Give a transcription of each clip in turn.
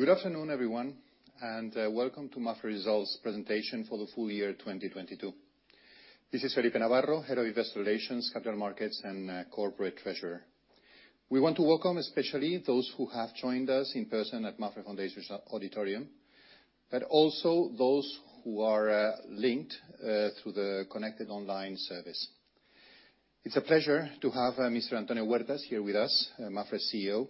Good afternoon, everyone, and welcome to MAPFRE Results Presentation for the full year 2022. This is Felipe Navarro, Head of Investor Relations, Capital Markets, and Corporate Treasurer. We want to welcome especially those who have joined us in person at Fundación MAPFRE Auditorium, but also those who are linked to the connected online service. It's a pleasure to have Mr. Antonio Huertas here with us, MAPFRE CEO.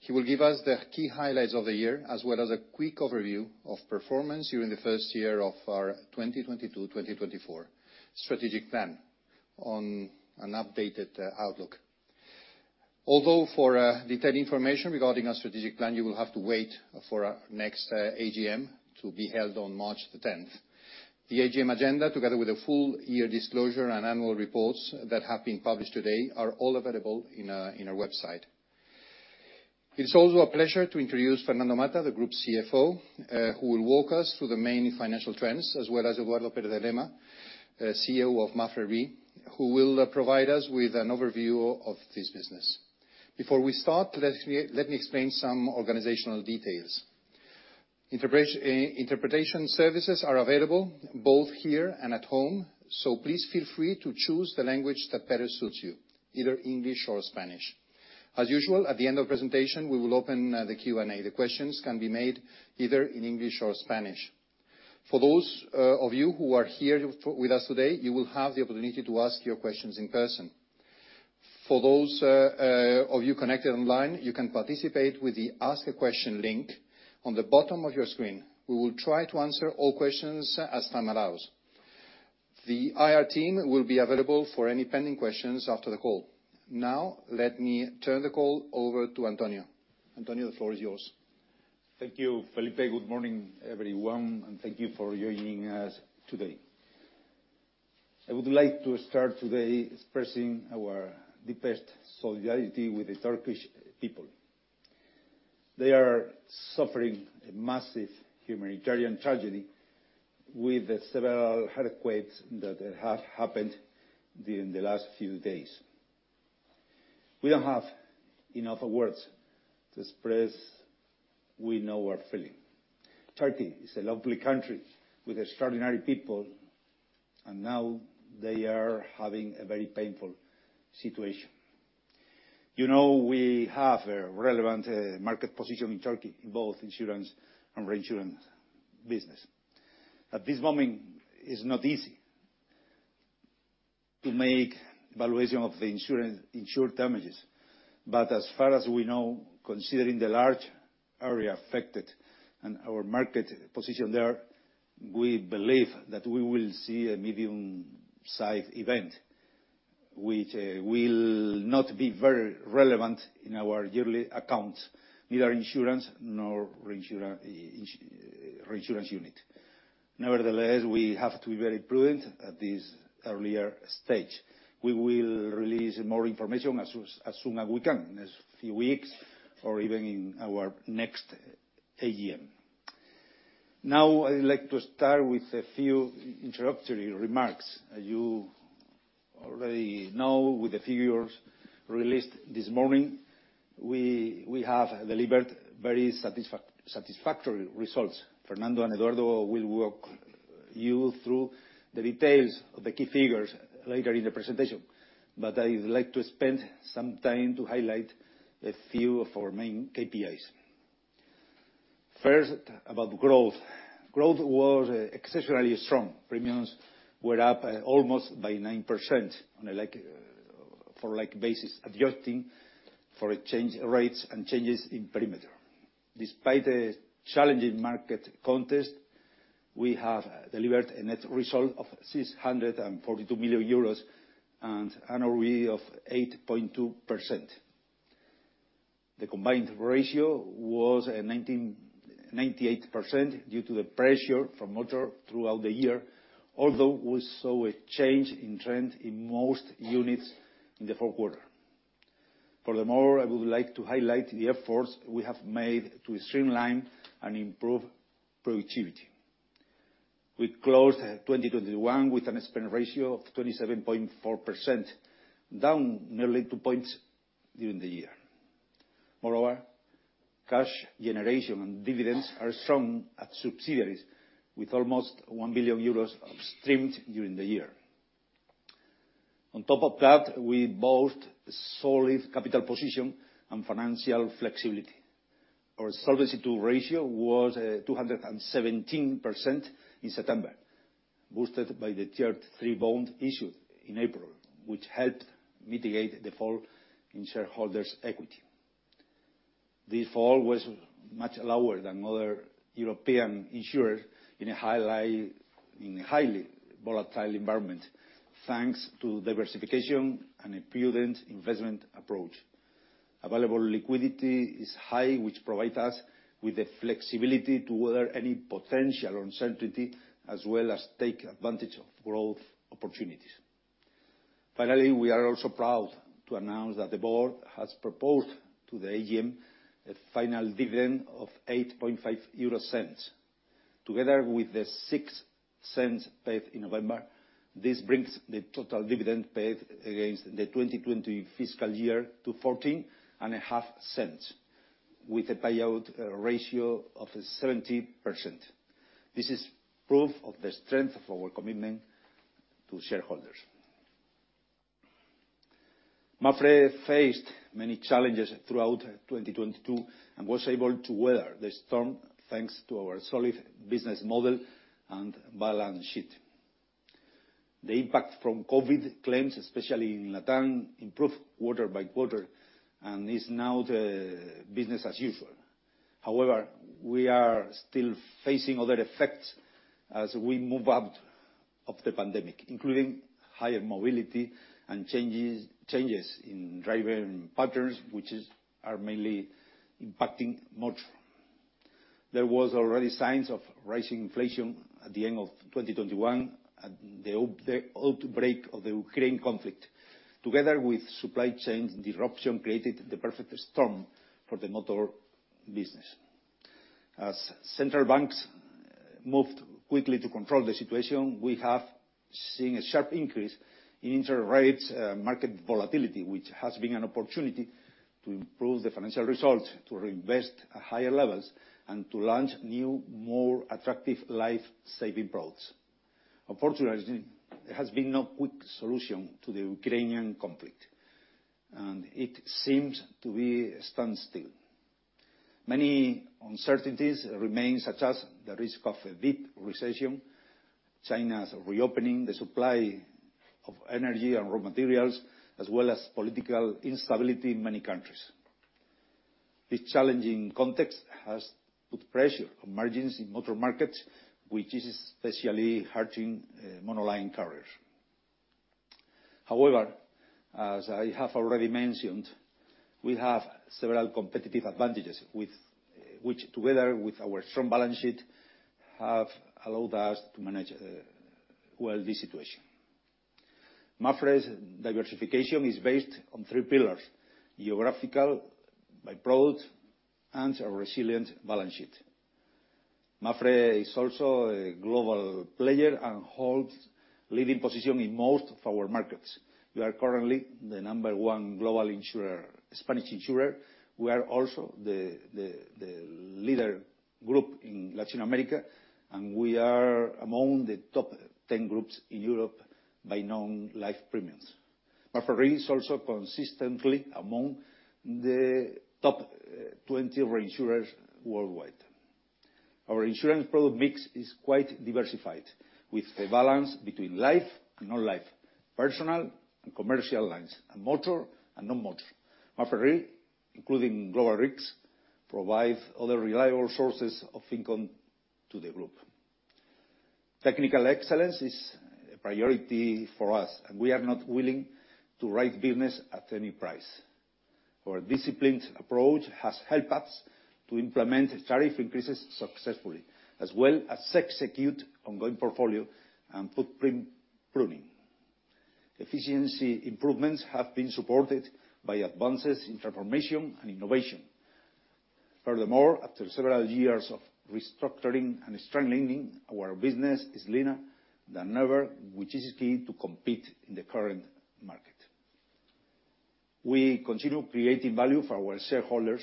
He will give us the key highlights of the year, as well as a quick overview of performance during the first year of our 2022-2024 strategic plan on an updated outlook. For detailed information regarding our strategic plan, you will have to wait for our next AGM to be held on March 10th. The AGM agenda, together with the full year disclosure and annual reports that have been published today, are all available in our website. It's also a pleasure to introduce Fernando Mata, the Group CFO, who will walk us through the main financial trends, as well as Eduardo Pérez de Lema, CEO of Mapfre RE, who will provide us with an overview of this business. Before we start, let me explain some organizational details. Interpretation services are available both here and at home, so please feel free to choose the language that better suits you, either English or Spanish. As usual, at the end of presentation, we will open the Q&A. The questions can be made either in English or Spanish. For those of you who are here with us today, you will have the opportunity to ask your questions in person. For those of you connected online, you can participate with the Ask a Question link on the bottom of your screen. We will try to answer all questions as time allows. The IR team will be available for any pending questions after the call. Let me turn the call over to Antonio. Antonio, the floor is yours. Thank you, Felipe. Good morning, everyone, thank you for joining us today. I would like to start today expressing our deepest solidarity with the Turkish people. They are suffering a massive humanitarian tragedy with the several earthquakes that have happened during the last few days. We don't have enough words to express we know we're feeling. Turkey is a lovely country with extraordinary people, now they are having a very painful situation. You know, we have a relevant market position in Turkey, in both insurance and reinsurance business. At this moment, it's not easy to make valuation of the insurance, insured damages, as far as we know, considering the large area affected and our market position there, we believe that we will see a medium-size event which will not be very relevant in our yearly accounts, neither insurance nor reinsurance unit. Nevertheless, we have to be very prudent at this earlier stage. We will release more information as soon as we can, in a few weeks or even in our next AGM. I'd like to start with a few introductory remarks. As you already know, with the figures released this morning, we have delivered very satisfactory results. Fernando and Eduardo will walk you through the details of the key figures later in the presentation. I like to spend some time to highlight a few of our main KPIs. First, about growth. Growth was exceptionally strong. Premiums were up almost by 9% on a like, for like basis adjusting for exchange rates and changes in perimeter. Despite a challenging market context, we have delivered a net result of 642 million euros and ROE of 8.2%. The combined ratio was 98% due to the pressure from motor throughout the year, although we saw a change in trend in most units in the fourth quarter. Furthermore, I would like to highlight the efforts we have made to streamline and improve productivity. We closed 2021 with an expense ratio of 27.4%, down nearly 2 points during the year. Moreover, cash generation and dividends are strong at subsidiaries, with almost 1 billion euros streamed during the year. On top of that, we built a solid capital position and financial flexibility. Our Solvency II ratio was 217% in September, boosted by the Tier 3 bond issued in April, which helped mitigate the fall in shareholders' equity. This fall was much lower than other European insurers in a highly volatile environment, thanks to diversification and a prudent investment approach. Available liquidity is high, which provide us with the flexibility to weather any potential uncertainty, as well as take advantage of growth opportunities. Finally, we are also proud to announce that the board has proposed to the AGM a final dividend of 0.085. Together with the 0.06 paid in November, this brings the total dividend paid against the 2020 fiscal year to 0.145, with a payout ratio of 70%. This is proof of the strength of our commitment to shareholders. MAPFRE faced many challenges throughout 2022 and was able to weather the storm thanks to our solid business model and balance sheet. The impact from COVID claims, especially in Latam, improved quarter by quarter and is now the business as usual. However, we are still facing other effects as we move out of the pandemic, including higher mobility and changes in driving patterns, which are mainly impacting much. There was already signs of rising inflation at the end of 2021 and the outbreak of the Ukraine conflict, together with supply chain disruption, created the perfect storm for the motor business. As central banks moved quickly to control the situation, we have seen a sharp increase in interest rates, market volatility, which has been an opportunity to improve the financial results, to reinvest at higher levels, and to launch new, more attractive life-saving products. Unfortunately, there has been no quick solution to the Ukrainian conflict, and it seems to be standstill. Many uncertainties remain, such as the risk of a deep recession, China's reopening, the supply of energy and raw materials, as well as political instability in many countries. This challenging context has put pressure on margins in motor markets, which is especially hurting monoline carriers. However, as I have already mentioned, we have several competitive advantages with which together with our strong balance sheet have allowed us to manage well this situation. MAPFRE's diversification is based on three pillars: geographical, by product, and a resilient balance sheet. MAPFRE is also a global player and holds leading position in most of our markets. We are currently the number one global insurer, Spanish insurer. We are also the leader group in Latin America, and we are among the top 10 groups in Europe by non-life premiums. MAPFRE is also consistently among the top 20 reinsurers worldwide. Our insurance product mix is quite diversified, with a balance between life and non-life, personal and commercial lines, and motor and non-motor. MAPFRE, including MAPFRE Global Risks, provides other reliable sources of income to the group. Technical excellence is a priority for us, and we are not willing to write business at any price. Our disciplined approach has helped us to implement tariff increases successfully, as well as execute ongoing portfolio and footprint pruning. Efficiency improvements have been supported by advances in transformation and innovation. Furthermore, after several years of restructuring and strengthening, our business is leaner than ever, which is key to compete in the current market. We continue creating value for our shareholders,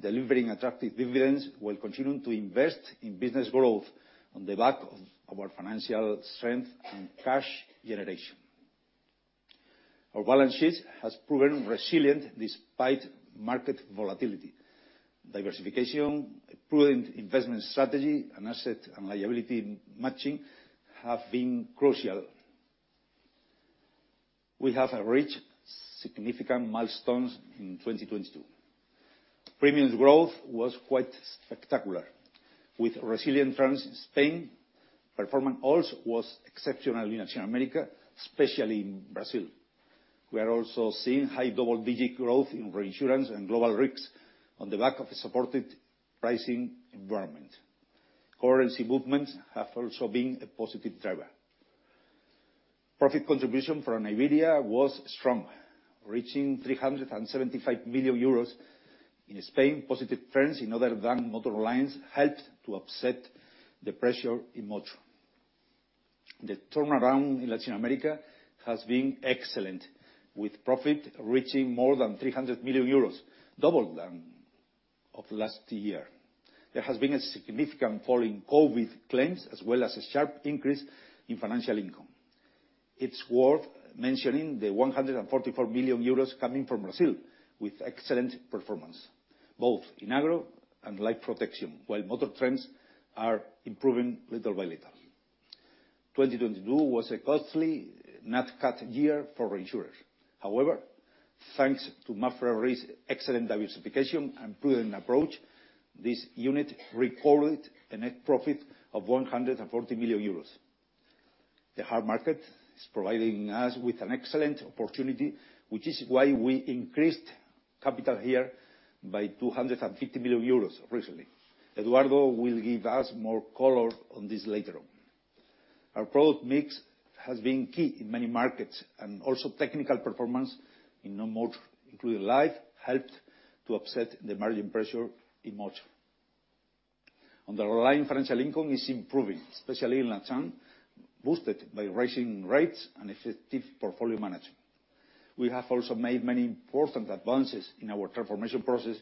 delivering attractive dividends while continuing to invest in business growth on the back of our financial strength and cash generation. Our balance sheet has proven resilient despite market volatility. Diversification, a prudent investment strategy, and asset and liability matching have been crucial. We have reached significant milestones in 2022. Premiums growth was quite spectacular. With resilient trends in Spain, performance also was exceptional in Latin America, especially in Brazil. We are also seeing high double-digit growth in reinsurance and global risks on the back of a supported pricing environment. Currency movements have also been a positive driver. Profit contribution from Iberia was strong, reaching 375 million euros. In Spain, positive trends in other than motor lines helped to offset the pressure in motor. The turnaround in Latin America has been excellent, with profit reaching more than 300 million euros, double than of last year. There has been a significant fall in COVID claims, as well as a sharp increase in financial income. It's worth mentioning the 144 million euros coming from Brazil with excellent performance, both in agro and life protection, while motor trends are improving little by little. 2022 was a costly nat cat year for reinsurers. However, thanks to MAPFRE's excellent diversification and prudent approach, this unit recorded a net profit of 140 million euros. The hard market is providing us with an excellent opportunity, which is why we increased capital here by 250 million euros recently. Eduardo will give us more color on this later on. Our product mix has been key in many markets, and also technical performance in non-motor, including life, helped to offset the margin pressure in motor. Underlying financial income is improving, especially in LatAm, boosted by rising rates and effective portfolio management. We have also made many important advances in our transformation process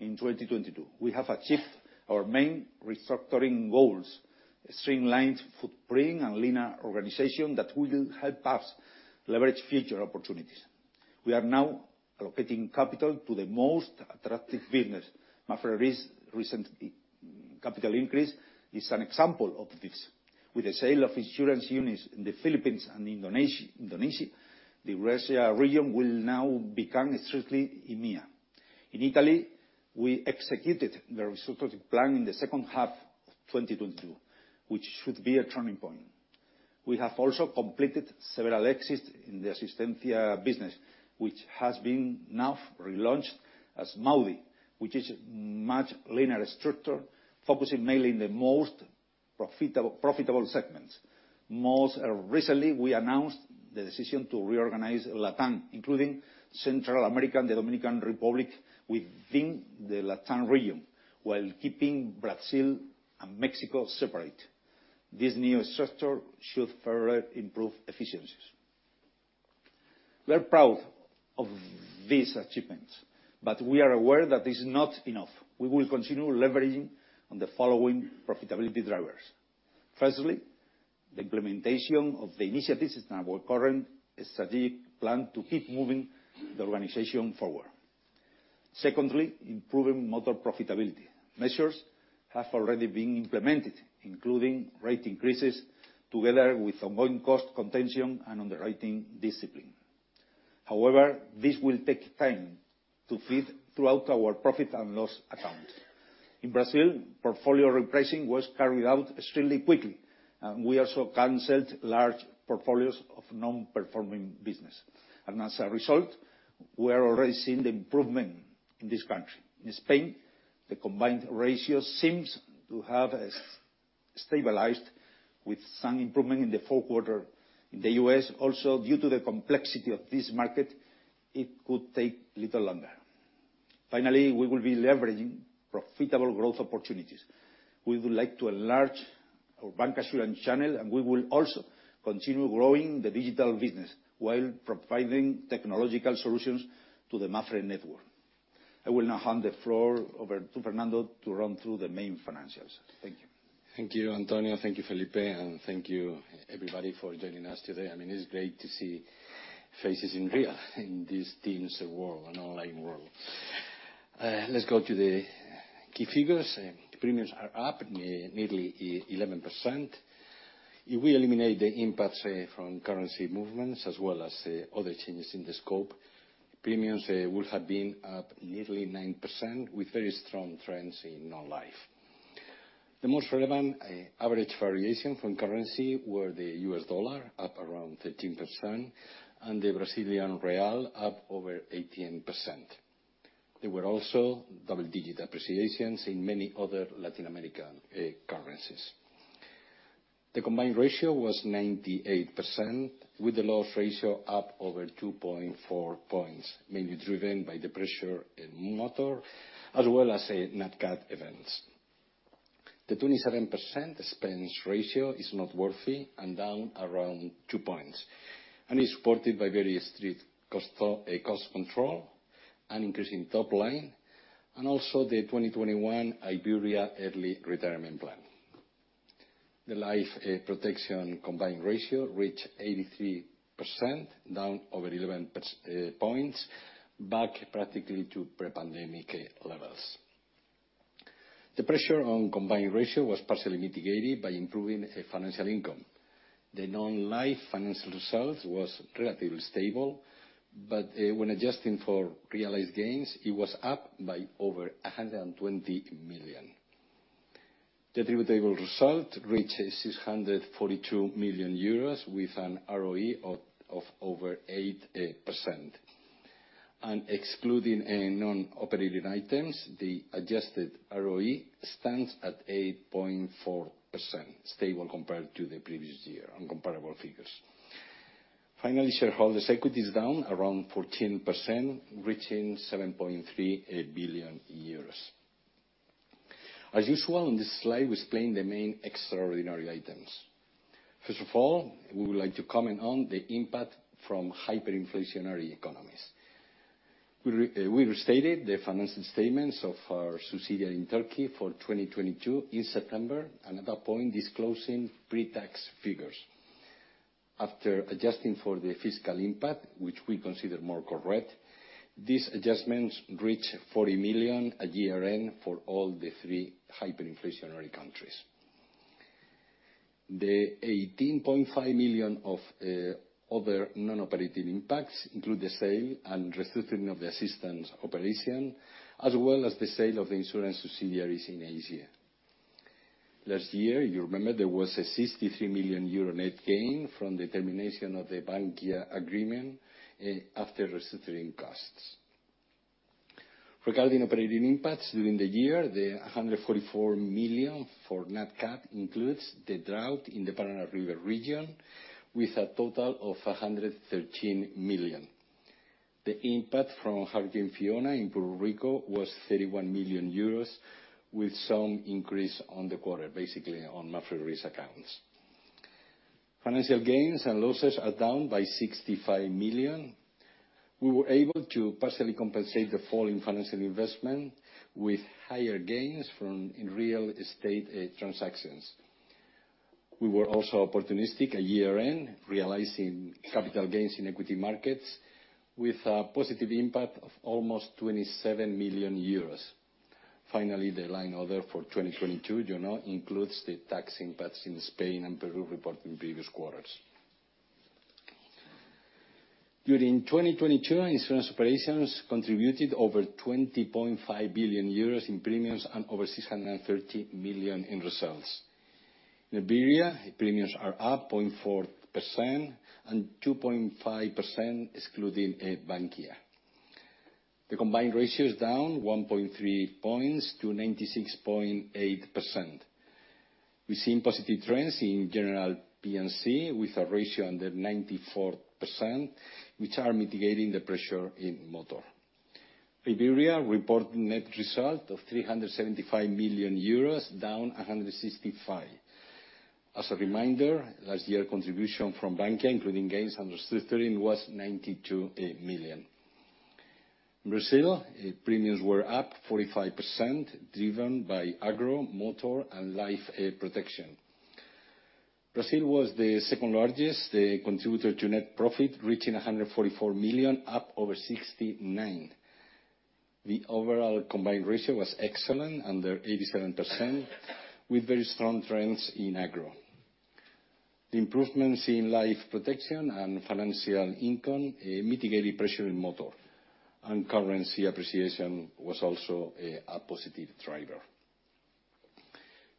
in 2022. We have achieved our main restructuring goals: a streamlined footprint and leaner organization that will help us leverage future opportunities. We are now allocating capital to the most attractive business. MAPFRE recent capital increase is an example of this. With the sale of insurance units in the Philippines and Indonesia, the rest of our region will now become strictly EMEA. In Italy, we executed the restructuring plan in the second half of 2022, which should be a turning point. We have also completed several exits in the Assistencia business, which has been now relaunched as MoWi, which is much leaner structure, focusing mainly in the most profitable segments. Most recently, we announced the decision to reorganize LatAm, including Central America and the Dominican Republic within the LatAm region, while keeping Brazil and Mexico separate. This new structure should further improve efficiencies. We are proud of these achievements, but we are aware that this is not enough. We will continue leveraging on the following profitability drivers. Firstly, the implementation of the initiatives in our current strategic plan to keep moving the organization forward. Secondly, improving motor profitability. Measures have already been implemented, including rate increases together with ongoing cost contention and underwriting discipline. However, this will take time to feed throughout our profit and loss account. In Brazil, portfolio repricing was carried out extremely quickly, and we also canceled large portfolios of non-performing business. As a result, we are already seeing the improvement in this country. In Spain, the combined ratio seems to have stabilized with some improvement in the fourth quarter. In the U.S. also, due to the complexity of this market, it could take little longer. Finally, we will be leveraging profitable growth opportunities. We would like to enlarge our bancassurance channel, and we will also continue growing the digital business while providing technological solutions to the MAPFRE network. I will now hand the floor over to Fernando to run through the main financials. Thank you. Thank you, Antonio. Thank you, Felipe. Thank you everybody for joining us today. I mean, it's great to see faces in real in this Teams world, an online world. Let's go to the key figures. The premiums are up nearly 11%. If we eliminate the impacts from currency movements as well as other changes in the scope, premiums would have been up nearly 9% with very strong trends in non-life. The most relevant average variation from currency were the US dollar, up around 13%, and the Brazilian real, up over 18%. There were also double-digit appreciations in many other Latin American currencies. The combined ratio was 98%, with the loss ratio up over 2.4 points, mainly driven by the pressure in motor as well as nat cat events. The 27% expense ratio is noteworthy and down around 2 points, and is supported by very strict cost control and increasing top line, and also the 2021 Iberia early retirement plan. The life protection combined ratio reached 83%, down over 11 points back practically to pre-pandemic levels. The pressure on combined ratio was partially mitigated by improving financial income. The non-life financial results was relatively stable, but when adjusting for realized gains, it was up by over 120 million. The distributable result reaches 642 million euros with an ROE of over 8%. Excluding non-operating items, the adjusted ROE stands at 8.4%, stable compared to the previous year on comparable figures. Finally, shareholders' equity is down around 14%, reaching 7.3 billion euros. As usual on this slide, we explain the main extraordinary items. First of all, we would like to comment on the impact from hyperinflationary economies. We restated the financial statements of our subsidiary in Turkey for 2022 in September, and at that point, disclosing pre-tax figures. After adjusting for the fiscal impact, which we consider more correct, these adjustments reach 40 million a year in for all the three hyperinflationary countries. The 18.5 million of other non-operating impacts include the sale and restructuring of the assistance operation, as well as the sale of the insurance subsidiaries in Asia. Last year, you remember there was a 63 million euro net gain from the termination of the Bankia agreement after restructuring costs. Regarding operating impacts during the year, the 144 million for nat cat includes the drought in the Parana River region with a total of 113 million. The impact from Hurricane Fiona in Puerto Rico was 31 million euros, with some increase on the quarter, basically on MAPFRE Risk accounts. Financial gains and losses are down by 65 million. We were able to partially compensate the fall in financial investment with higher gains from in real estate transactions. We were also opportunistic at year-end, realizing capital gains in equity markets with a positive impact of almost 27 million euros. Finally, the line other for 2022, you know, includes the tax impacts in Spain and Peru reported in previous quarters. During 2022, insurance operations contributed over 20.5 billion euros in premiums and over 630 million in results. Iberia, the premiums are up 0.4% and 2.5% excluding Bankia. The combined ratio is down 1.3 points to 96.8%. We're seeing positive trends in general PNC with a ratio under 94%, which are mitigating the pressure in motor. Iberia reported net result of 375 million euros, down 165 million. As a reminder, last year contribution from Bankia, including gains under 113, was 92 million. In Brazil, premiums were up 45%, driven by agro, motor, and life protection. Brazil was the second largest contributor to net profit, reaching 144 million, up over 69%. The overall combined ratio was excellent, under 87%, with very strong trends in agro. The improvements in life protection and financial income mitigated pressure in motor. Currency appreciation was also a positive driver.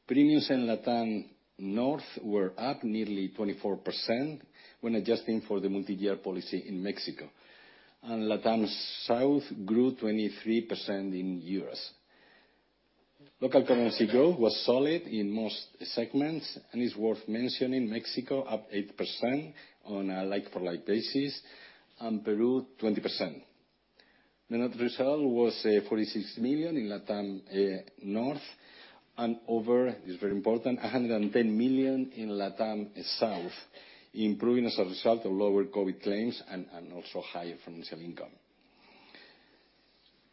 Premiums in Latam North were up nearly 24% when adjusting for the multi-year policy in Mexico. Latam South grew 23% in EUR. Local currency growth was solid in most segments. It's worth mentioning Mexico up 8% on a like-for-like basis, and Peru 20%. Net result was 46 million in Latam North and over, this is very important, 110 million in Latam South, improving as a result of lower COVID claims and also higher financial income.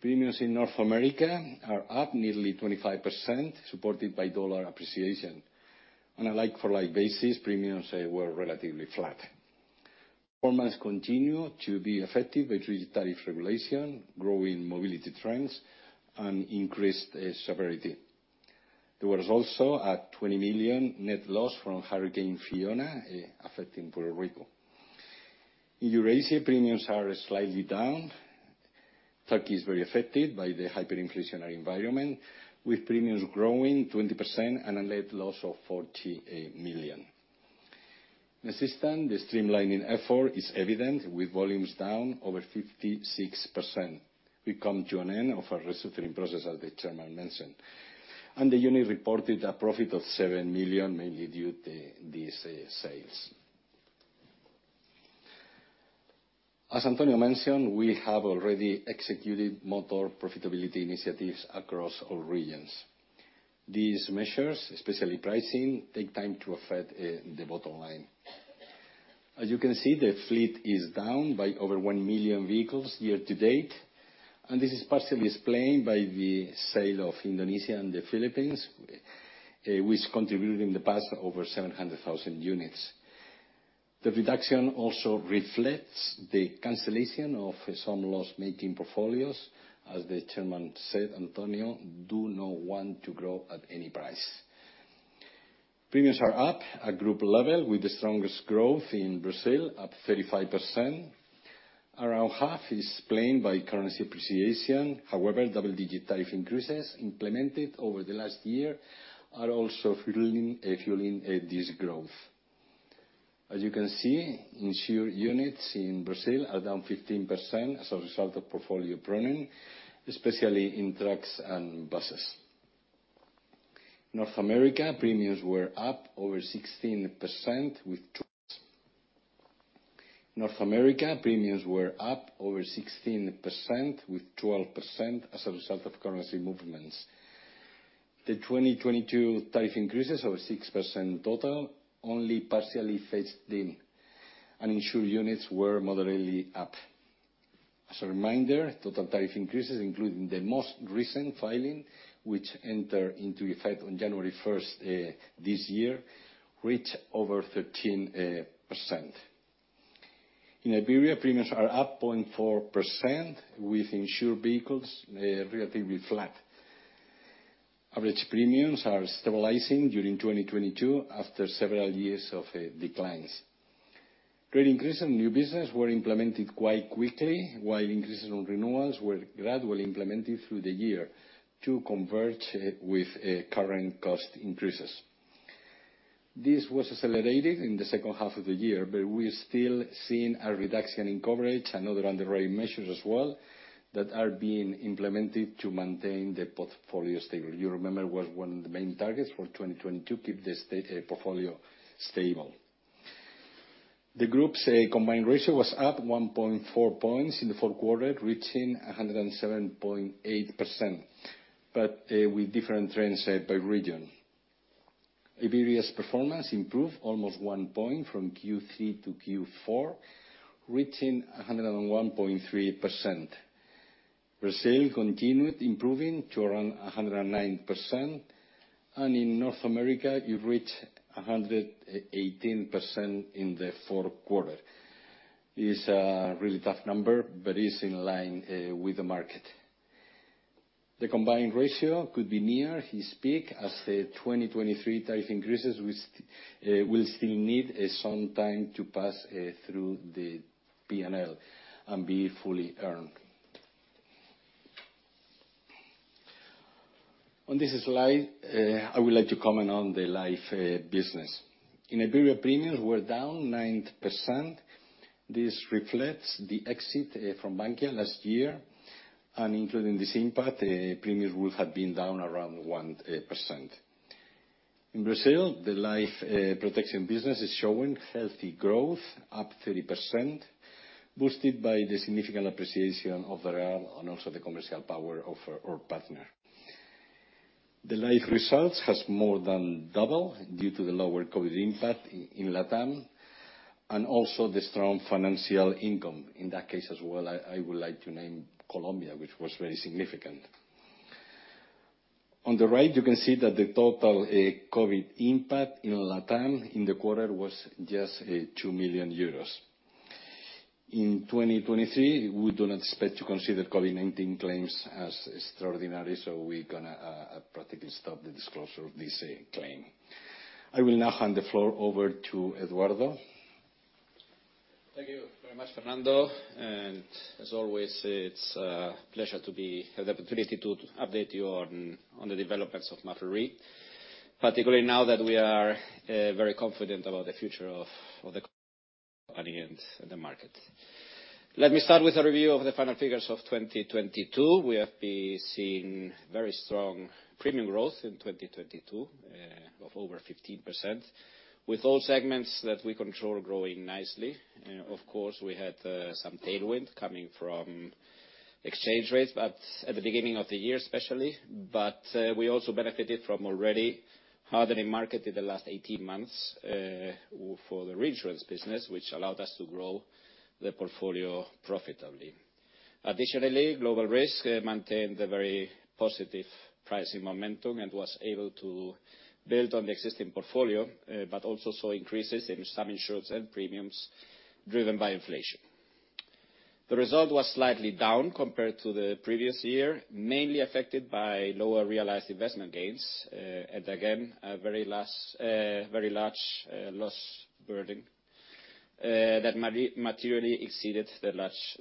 Premiums in North America are up nearly 25%, supported by dollar appreciation. On a like-for-like basis, premiums were relatively flat. Performance continue to be affected by digit tariff regulation, growing mobility trends, and increased severity. There was also a 20 million net loss from Hurricane Fiona affecting Puerto Rico. In Eurasia, premiums are slightly down. Turkey is very affected by the hyperinflationary environment, with premiums growing 20% and a net loss of 40 million. In Asistencia, the streamlining effort is evident with volumes down over 56%. We come to an end of our restructuring process, as the Chairman mentioned. The unit reported a profit of 7 million, mainly due to these sales. As Antonio mentioned, we have already executed motor profitability initiatives across all regions. These measures, especially pricing, take time to affect the bottom line. As you can see, the fleet is down by over 1 million vehicles year to date. This is partially explained by the sale of Indonesia and the Philippines, which contributed in the past over 700,000 units. The reduction also reflects the cancellation of some loss-making portfolios. As the chairman said, Antonio do not want to grow at any price. Premiums are up at group level with the strongest growth in Brazil, up 35%. Around half is explained by currency appreciation. However, double-digit tariff increases implemented over the last year are also fueling this growth. As you can see, insured units in Brazil are down 15% as a result of portfolio pruning, especially in trucks and buses. North America, premiums were up over 16%, with 12% as a result of currency movements. The 2022 tariff increases of 6% total only partially priced in. Uninsured units were moderately up. As a reminder, total tariff increases, including the most recent filing, which enter into effect on January 1st this year, reach over 13%. In Iberia, premiums are up 0.4% with insured vehicles relatively flat. Average premiums are stabilizing during 2022 after several years of declines. Rate increase in new business were implemented quite quickly, while increases on renewals were gradually implemented through the year to converge with current cost increases. This was accelerated in the second half of the year, but we're still seeing a reduction in coverage and other underwriting measures as well, that are being implemented to maintain the portfolio stable. You remember was one of the main targets for 2022, keep the portfolio stable. The group's combined ratio was up 1.4 points in the fourth quarter, reaching 107.8%, but with different trends by region. Iberia's performance improved almost 1 point from Q3 to Q4, reaching 101.3%. Brazil continued improving to around 109%, and in North America, it reached 118% in the fourth quarter. It is a really tough number, but is in line with the market. The combined ratio could be near its peak as the 2023 tariff increases will still need some time to pass through the P&L and be fully earned. On this slide, I would like to comment on the life business. In Iberia, premiums were down 9%. This reflects the exit from Bankia last year. Including the same path, premiums would have been down around 1%. In Brazil, the life protection business is showing healthy growth, up 30%, boosted by the significant appreciation of the real and also the commercial power of our partner. The life results has more than double due to the lower COVID impact in Latam, and also the strong financial income. In that case as well, I would like to name Colombia, which was very significant. On the right, you can see that the total COVID impact in Latam in the quarter was just 2 million euros. In 2023, we do not expect to consider COVID-19 claims as extraordinary, we're gonna practically stop the disclosure of this claim. I will now hand the floor over to Eduardo. Thank you very much, Fernando. As always, it's a pleasure to have the opportunity to update you on the developments of MAPFRE, particularly now that we are very confident about the future of the At the end of the market. Let me start with a review of the final figures of 2022. We have been seeing very strong premium growth in 2022, of over 15%, with all segments that we control growing nicely. Of course, we had some tailwind coming from exchange rates, but at the beginning of the year especially. We also benefited from already hardening market in the last 18 months for the reinsurance business, which allowed us to grow the portfolio profitably. Additionally, MAPFRE Global Risks maintained a very positive pricing momentum and was able to build on the existing portfolio, but also saw increases in some insurance end premiums driven by inflation. The result was slightly down compared to the previous year, mainly affected by lower realized investment gains, and again, a very large loss burden that materially exceeded the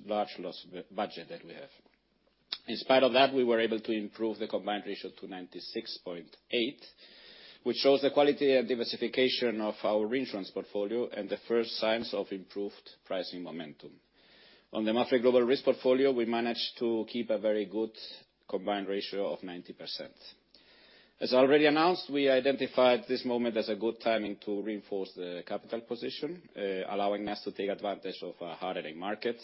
large loss budget that we have. In spite of that, we were able to improve the combined ratio to 96.8, which shows the quality and diversification of our reinsurance portfolio and the first signs of improved pricing momentum. On the MAPFRE Global Risks portfolio, we managed to keep a very good combined ratio of 90%. As already announced, we identified this moment as a good timing to reinforce the capital position, allowing us to take advantage of a hardening market,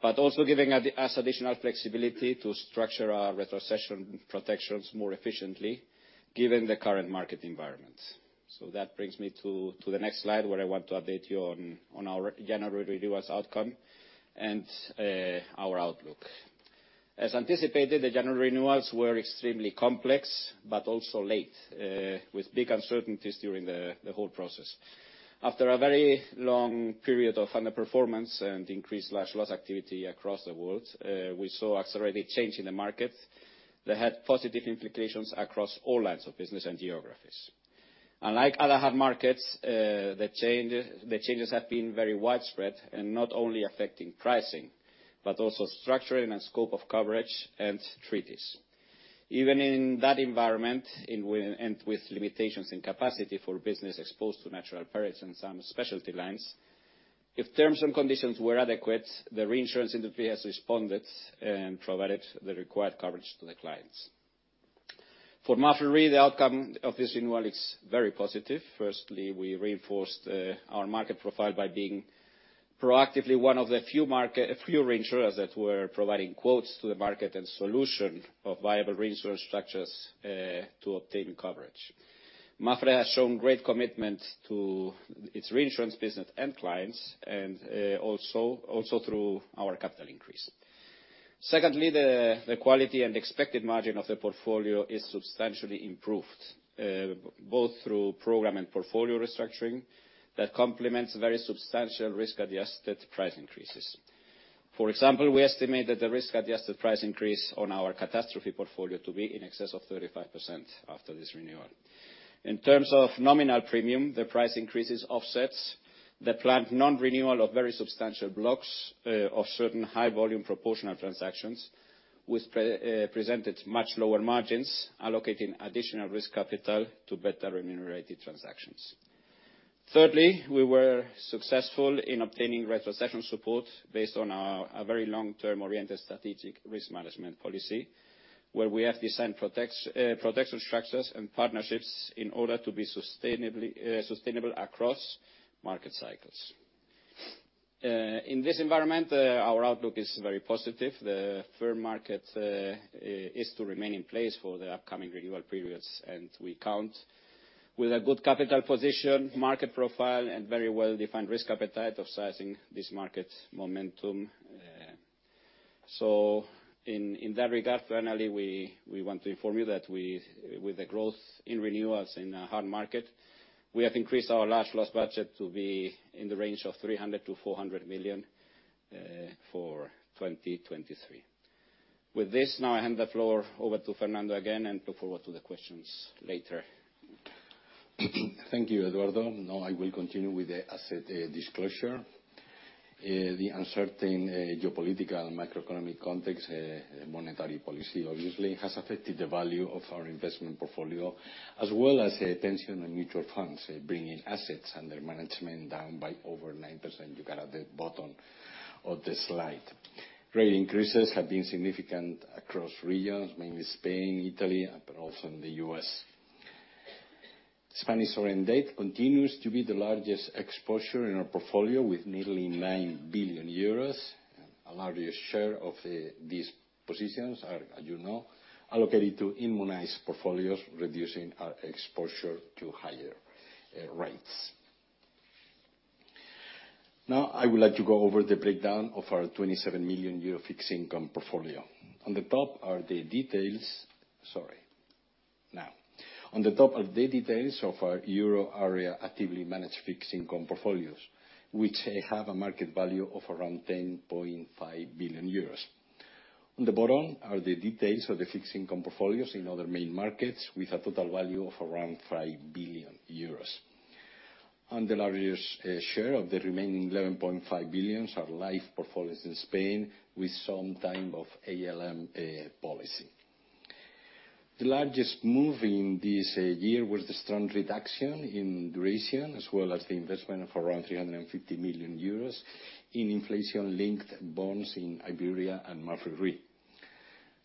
but also giving us additional flexibility to structure our retrocession protections more efficiently given the current market environment. That brings me to the next slide, where I want to update you on our January renewals outcome and our outlook. As anticipated, the January renewals were extremely complex, but also late, with big uncertainties during the whole process. After a very long period of underperformance and increased large loss activity across the world, we saw accelerated change in the market that had positive implications across all lines of business and geographies. Unlike other hard markets, the changes have been very widespread and not only affecting pricing, but also structuring and scope of coverage and treaties. Even in that environment, in when, and with limitations in capacity for business exposed to natural perils in some specialty lines, if terms and conditions were adequate, the reinsurance industry has responded and provided the required coverage to the clients. For MAPFRE, the outcome of this renewal is very positive. Firstly, we reinforced our market profile by being proactively one of the few reinsurers that were providing quotes to the market and solution of viable reinsurance structures to obtaining coverage. MAPFRE has shown great commitment to its reinsurance business and clients and also through our capital increase. Secondly, the quality and expected margin of the portfolio is substantially improved, both through program and portfolio restructuring that complements very substantial risk-adjusted price increases. For example, we estimate that the risk-adjusted price increase on our catastrophe portfolio to be in excess of 35% after this renewal. In terms of nominal premium, the price increases offsets the planned non-renewal of very substantial blocks of certain high volume proportional transactions, which presented much lower margins, allocating additional risk capital to better remunerated transactions. Thirdly, we were successful in obtaining retrocession support based on our very long-term-oriented strategic risk management policy, where we have designed protection structures and partnerships in order to be sustainably sustainable across market cycles. In this environment, our outlook is very positive. The firm market is to remain in place for the upcoming renewal periods. We count with a good capital position, market profile, and very well-defined risk appetite of sizing this market momentum. In that regard, finally, we want to inform you that with the growth in renewals in a hard market, we have increased our large loss budget to be in the range of 300 million-400 million for 2023. With this, now I hand the floor over to Fernando again and look forward to the questions later. Thank you, Eduardo. I will continue with the asset disclosure. The uncertain geopolitical and macroeconomic context, monetary policy obviously has affected the value of our investment portfolio as well as pension and mutual funds, bringing assets under management down by over 9%. You got at the bottom of the slide. Rate increases have been significant across regions, mainly Spain, Italy, but also in the U.S. Spanish sovereign debt continues to be the largest exposure in our portfolio, with nearly 9 billion euros. A larger share of these positions are, as you know, allocated to immunized portfolios, reducing our exposure to higher rates. I would like to go over the breakdown of our 27 million euro fixed income portfolio. On the top are the details. Sorry. On the top are the details of our euro area actively managed fixed income portfolios, which have a market value of around 10.5 billion euros. On the bottom are the details of the fixed income portfolios in other main markets with a total value of around 5 billion euros. The largest share of the remaining 11.5 billion are life portfolios in Spain with some type of ALM policy. The largest move in this year was the strong reduction in duration, as well as the investment of around 350 million euros in inflation-linked bonds in Iberia and MAPFRE RE.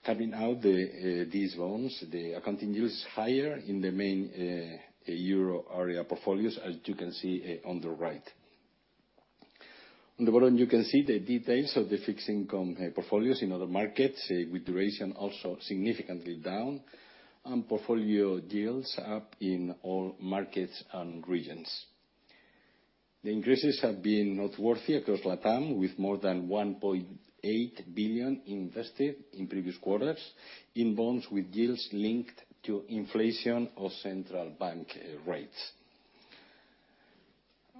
Cutting out these bonds, the accounting is higher in the main euro area portfolios, as you can see on the right. On the bottom, you can see the details of the fixed income portfolios in other markets, with duration also significantly down and portfolio yields up in all markets and regions. The increases have been noteworthy across Latam, with more than 1.8 billion invested in previous quarters in bonds with yields linked to inflation or central bank rates.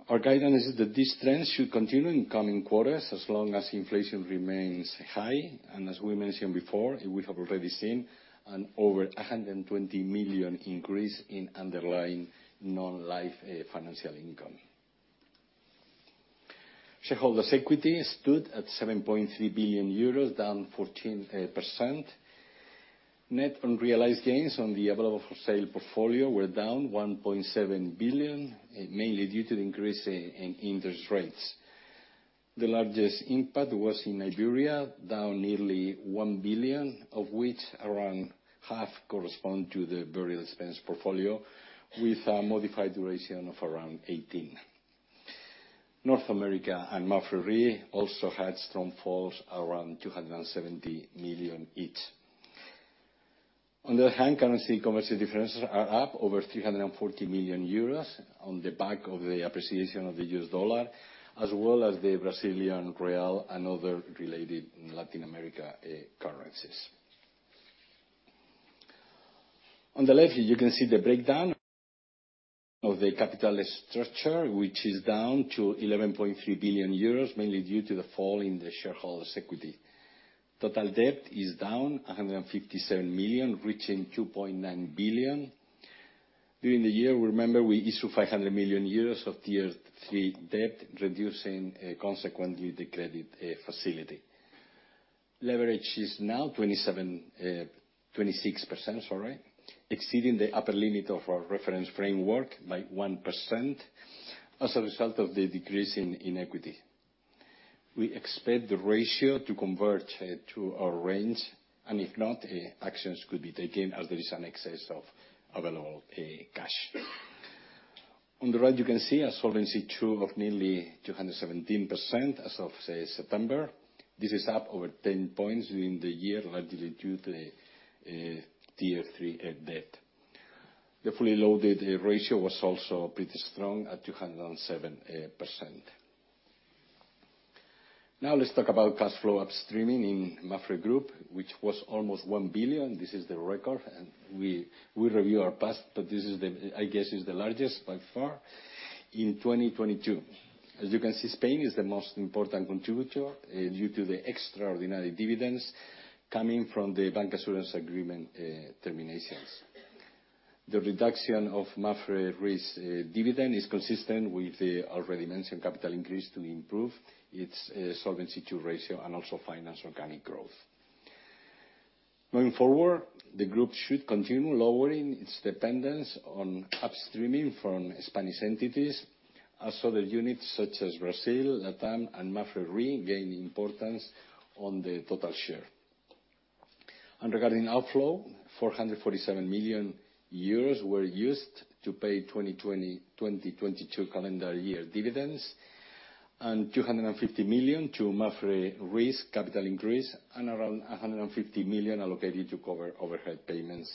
Our guidance is that this trend should continue in coming quarters as long as inflation remains high, and as we mentioned before, we have already seen an over 120 million increase in underlying non-life financial income. Shareholders' equity stood at 7.3 billion euros, down 14%. Net unrealized gains on the available for sale portfolio were down 1.7 billion, mainly due to the increase in interest rates. The largest impact was in Iberia, down nearly 1 billion, of which around half correspond to the burial expense portfolio with a modified duration of around 18. North America and MAPFRE RE also had strong falls, around 270 million each. Currency conversion differences are up over 340 million euros on the back of the appreciation of the US dollar, as well as the Brazilian real and other related Latin America currencies. On the left, you can see the breakdown of the capital structure, which is down to 11.3 billion euros, mainly due to the fall in the shareholders' equity. Total debt is down 157 million, reaching 2.9 billion. During the year, remember, we issued 500 million euros of Tier 3 debt, reducing consequently the credit facility. Leverage is now 27, 26%, sorry, exceeding the upper limit of our reference framework by 1% as a result of the decrease in equity. We expect the ratio to converge to our range, and if not, actions could be taken as there is an excess of available cash. On the right, you can see a Solvency II of nearly 217% as of September. This is up over 10 points during the year, largely due to the Tier 3 debt. The fully loaded ratio was also pretty strong at 207%. Let's talk about cash flow upstreaming in MAPFRE Group, which was almost 1 billion. This is the record, and we review our past, but this is the largest by far in 2022. As you can see, Spain is the most important contributor, due to the extraordinary dividends coming from the bancassurance agreement, terminations. The reduction of MAPFRE RE's dividend is consistent with the already mentioned capital increase to improve its Solvency II ratio and also finance organic growth. Going forward, the group should continue lowering its dependence on upstreaming from Spanish entities as other units such as Brazil, LatAm, and MAPFRE gain importance on the total share. Regarding outflow, 447 million euros were used to pay 2020, 2022 calendar year dividends, 250 million to MAPFRE Risk capital increase, and around 150 million allocated to cover overhead payments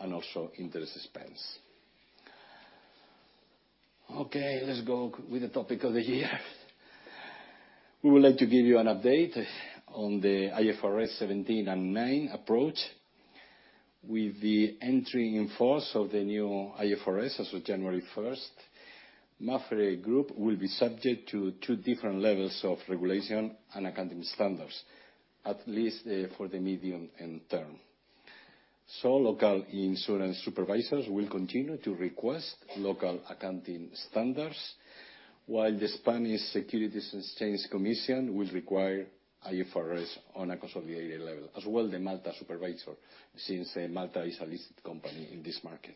and also interest expense. Okay, let's go with the topic of the year. We would like to give you an update on the IFRS 17 and 9 approach. With the entry in force of the new IFRS as of January first, MAPFRE Group will be subject to two different levels of regulation and accounting standards, at least, for the medium and term. Local insurance supervisors will continue to request local accounting standards, while the Spanish Securities Exchange Commission will require IFRS on a consolidated level, as well the Malta supervisor, since Malta is a listed company in this market.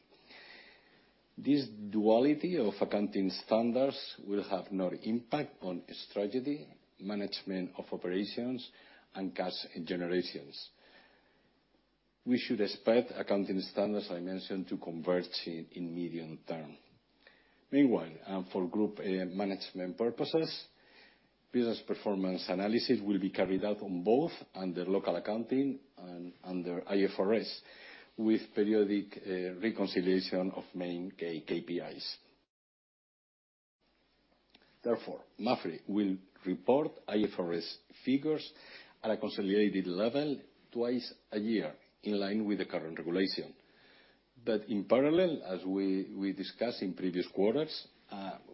This duality of accounting standards will have no impact on strategy, management of operations, and cash generations. We should expect accounting standards, I mentioned, to converge in medium term. Meanwhile, for group management purposes, business performance analysis will be carried out on both under local accounting and under IFRS with periodic reconciliation of main KPIs. Therefore, MAPFRE will report IFRS figures at a consolidated level twice a year in line with the current regulation. In parallel, as we discussed in previous quarters,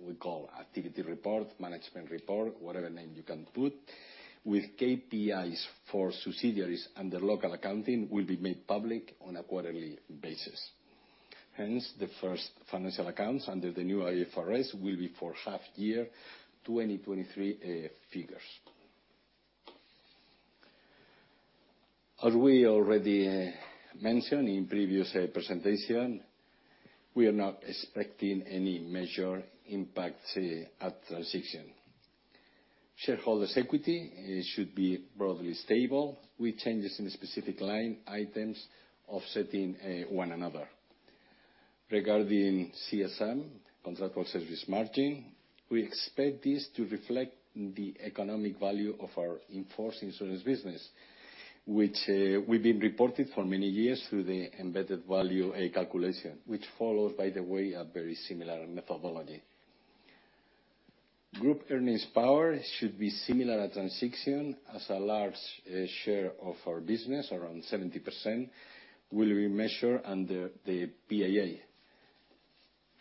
we call activity report, management report, whatever name you can put, with KPIs for subsidiaries and the local accounting will be made public on a quarterly basis. Hence, the first financial accounts under the new IFRS will be for half Year 2023 figures. As we already mentioned in previous presentation, we are not expecting any major impacts at transition. Shareholders' equity, it should be broadly stable with changes in specific line items offsetting one another. Regarding CSM, contract for service margin, we expect this to reflect the economic value of our in-force insurance business, which we've been reporting for many years through the embedded value calculation. Which follows, by the way, a very similar methodology. Group earnings power should be similar at transition as a large share of our business, around 70%, will be measured under the PAA.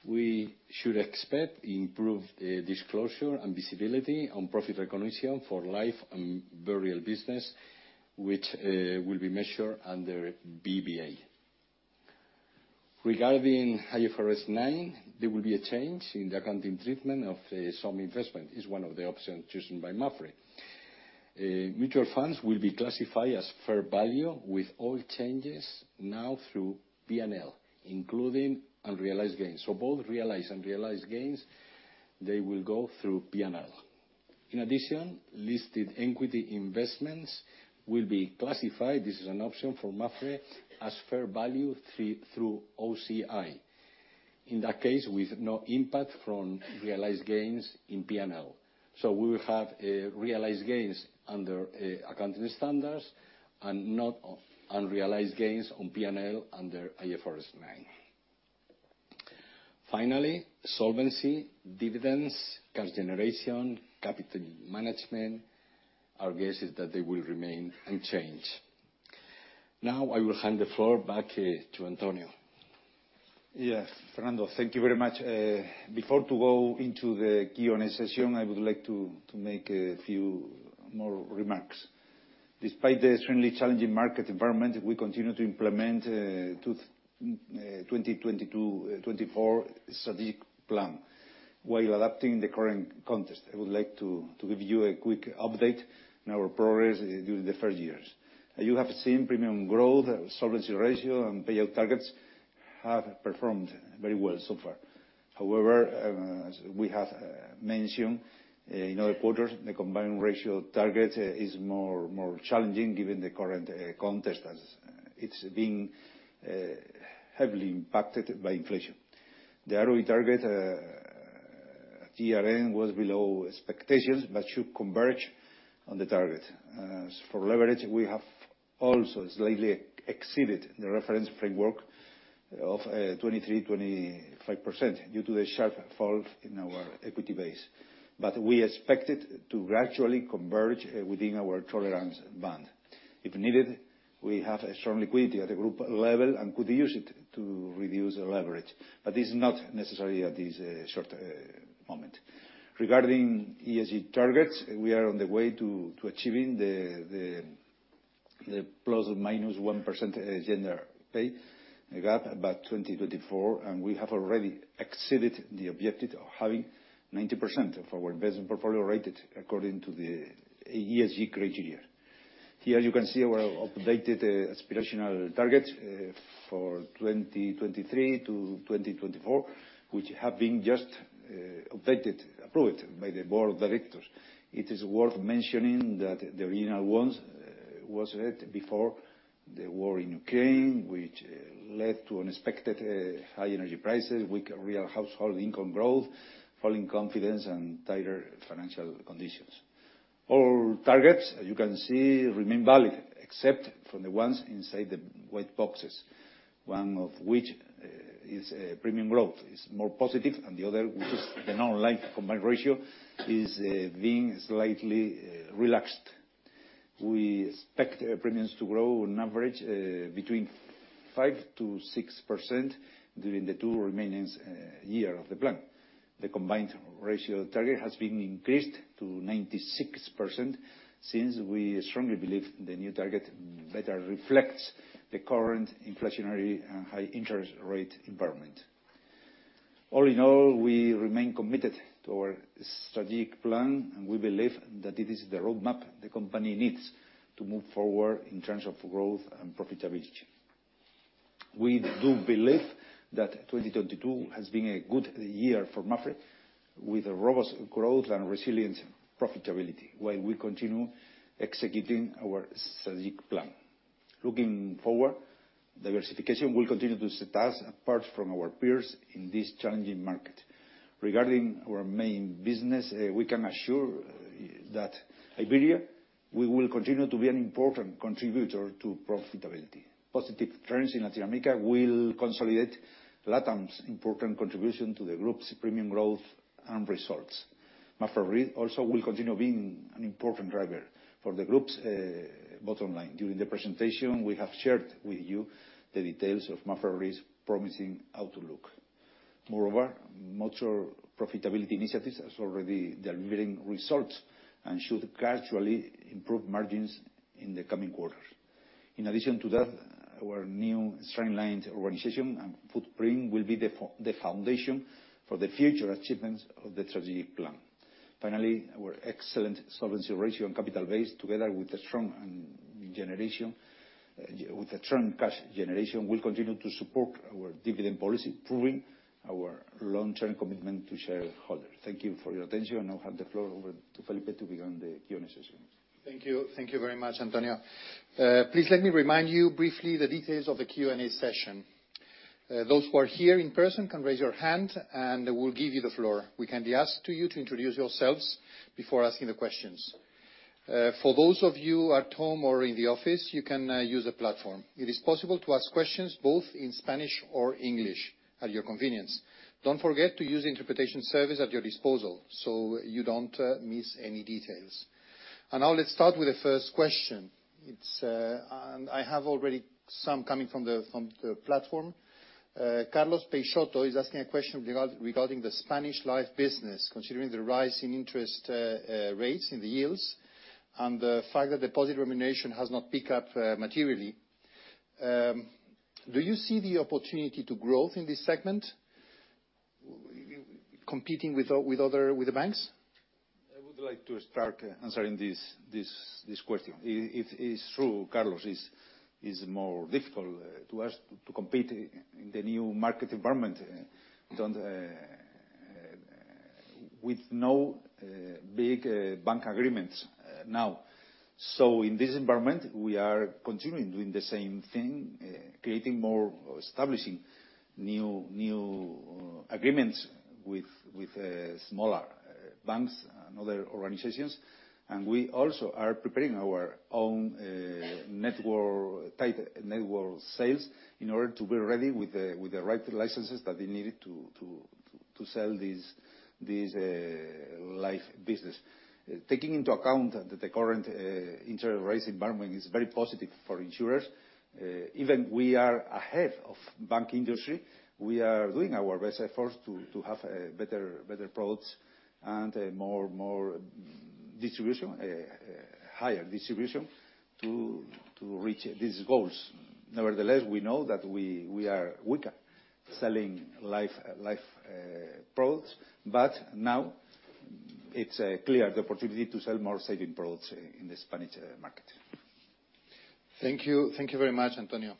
We should expect improved disclosure and visibility on profit recognition for life and burial business, which will be measured under BBA. Regarding IFRS 9, there will be a change in the accounting treatment of some investment. It's one of the options chosen by MAPFRE. Mutual funds will be classified as fair value with all changes now through P&L, including unrealized gains. Both realized, unrealized gains, they will go through P&L. In addition, listed equity investments will be classified, this is an option for MAPFRE, as fair value through OCI. In that case, with no impact from realized gains in P&L. We will have realized gains under accounting standards and not unrealized gains on P&L under IFRS 9. Finally, solvency, dividends, cash generation, capital management, our guess is that they will remain unchanged. Now I will hand the floor back to Antonio. Yes, Fernando, thank you very much. Before to go into the Q&A session, I would like to make a few more remarks. Despite the extremely challenging market environment, we continue to implement 2022-2024 strategic plan while adapting the current context. I would like to give you a quick update on our progress during the first years. You have seen premium growth, solvency ratio, and payout targets have performed very well so far. However, as we have mentioned in other quarters, the combined ratio target is more challenging given the current context as it's being heavily impacted by inflation. The ROI target, TRN was below expectations, but should converge on the target. As for leverage, we have also slightly exceeded the reference framework of 23%-25% due to the sharp fall in our equity base. We expect it to gradually converge within our tolerance band. If needed, we have a strong liquidity at the group level and could use it to reduce our leverage. This is not necessary at this short moment. Regarding ESG targets, we are on the way to achieving the plus or minus 1% gender pay gap by 2024, and we have already exceeded the objective of having 90% of our investment portfolio rated according to the ESG criteria. Here you can see our updated aspirational targets for 2023-2024, which have been just updated, approved by the board of directors. It is worth mentioning that the original ones was set before the war in Ukraine, which led to unexpected high energy prices, weaker real household income growth, falling confidence, and tighter financial conditions. All targets, as you can see, remain valid, except for the ones inside the white boxes, one of which is premium growth. It's more positive than the other, which is the non-life combined ratio, is being slightly relaxed. We expect premiums to grow on average between 5%-6% during the two remainings year of the plan. The combined ratio target has been increased to 96%, since we strongly believe the new target better reflects the current inflationary and high interest rate environment. All in all, we remain committed to our strategic plan, and we believe that it is the roadmap the company needs to move forward in terms of growth and profitability. We do believe that 2022 has been a good year for MAPFRE, with a robust growth and resilient profitability, while we continue executing our strategic plan. Looking forward, diversification will continue to set us apart from our peers in this challenging market. Regarding our main business, we can assure that Iberia, we will continue to be an important contributor to profitability. Positive trends in Latin America will consolidate LATAM's important contribution to the group's premium growth and results. MAPFRE RE also will continue being an important driver for the group's bottom line. During the presentation, we have shared with you the details of MAPFRE RE's promising outlook. Moreover, motor profitability initiatives is already delivering results and should gradually improve margins in the coming quarters. In addition to that, our new streamlined organization and footprint will be the foundation for the future achievements of the strategic plan. Finally, our excellent solvency ratio and capital base, together with the strong cash generation, will continue to support our dividend policy, proving our long-term commitment to shareholders. Thank you for your attention. I now hand the floor over to Felipe to begin the Q&A session. Thank you. Thank you very much, Antonio. Please let me remind you briefly the details of the Q&A session. Those who are here in person can raise your hand, and we'll give you the floor. We can be asked to you to introduce yourselves before asking the questions. For those of you at home or in the office, you can use the platform. It is possible to ask questions both in Spanish or English at your convenience. Don't forget to use interpretation service at your disposal, so you don't miss any details. Now let's start with the first question. I have already some coming from the platform. Carlos Peixoto is asking a question regarding the Spanish life business. Considering the rise in interest, rates in the yields and the fact that deposit remuneration has not picked up, materially, do you see the opportunity to growth in this segment, competing with other, with the banks? I would like to start answering this question. It is true, Carlos, is more difficult to us to compete in the new market environment With no big bank agreements now. In this environment, we are continuing doing the same thing, creating more, establishing new agreements with smaller banks and other organizations. We also are preparing our own network type, network sales in order to be ready with the right licenses that they needed to sell this life business. Taking into account that the current interest rates environment is very positive for insurers, even we are ahead of bank industry, we are doing our best efforts to have better products and more distribution, higher distribution to reach these goals. Nevertheless, we know that we are weaker selling life products, but now it's clear the opportunity to sell more saving products in the Spanish market. Thank you. Thank you very much, Antonio.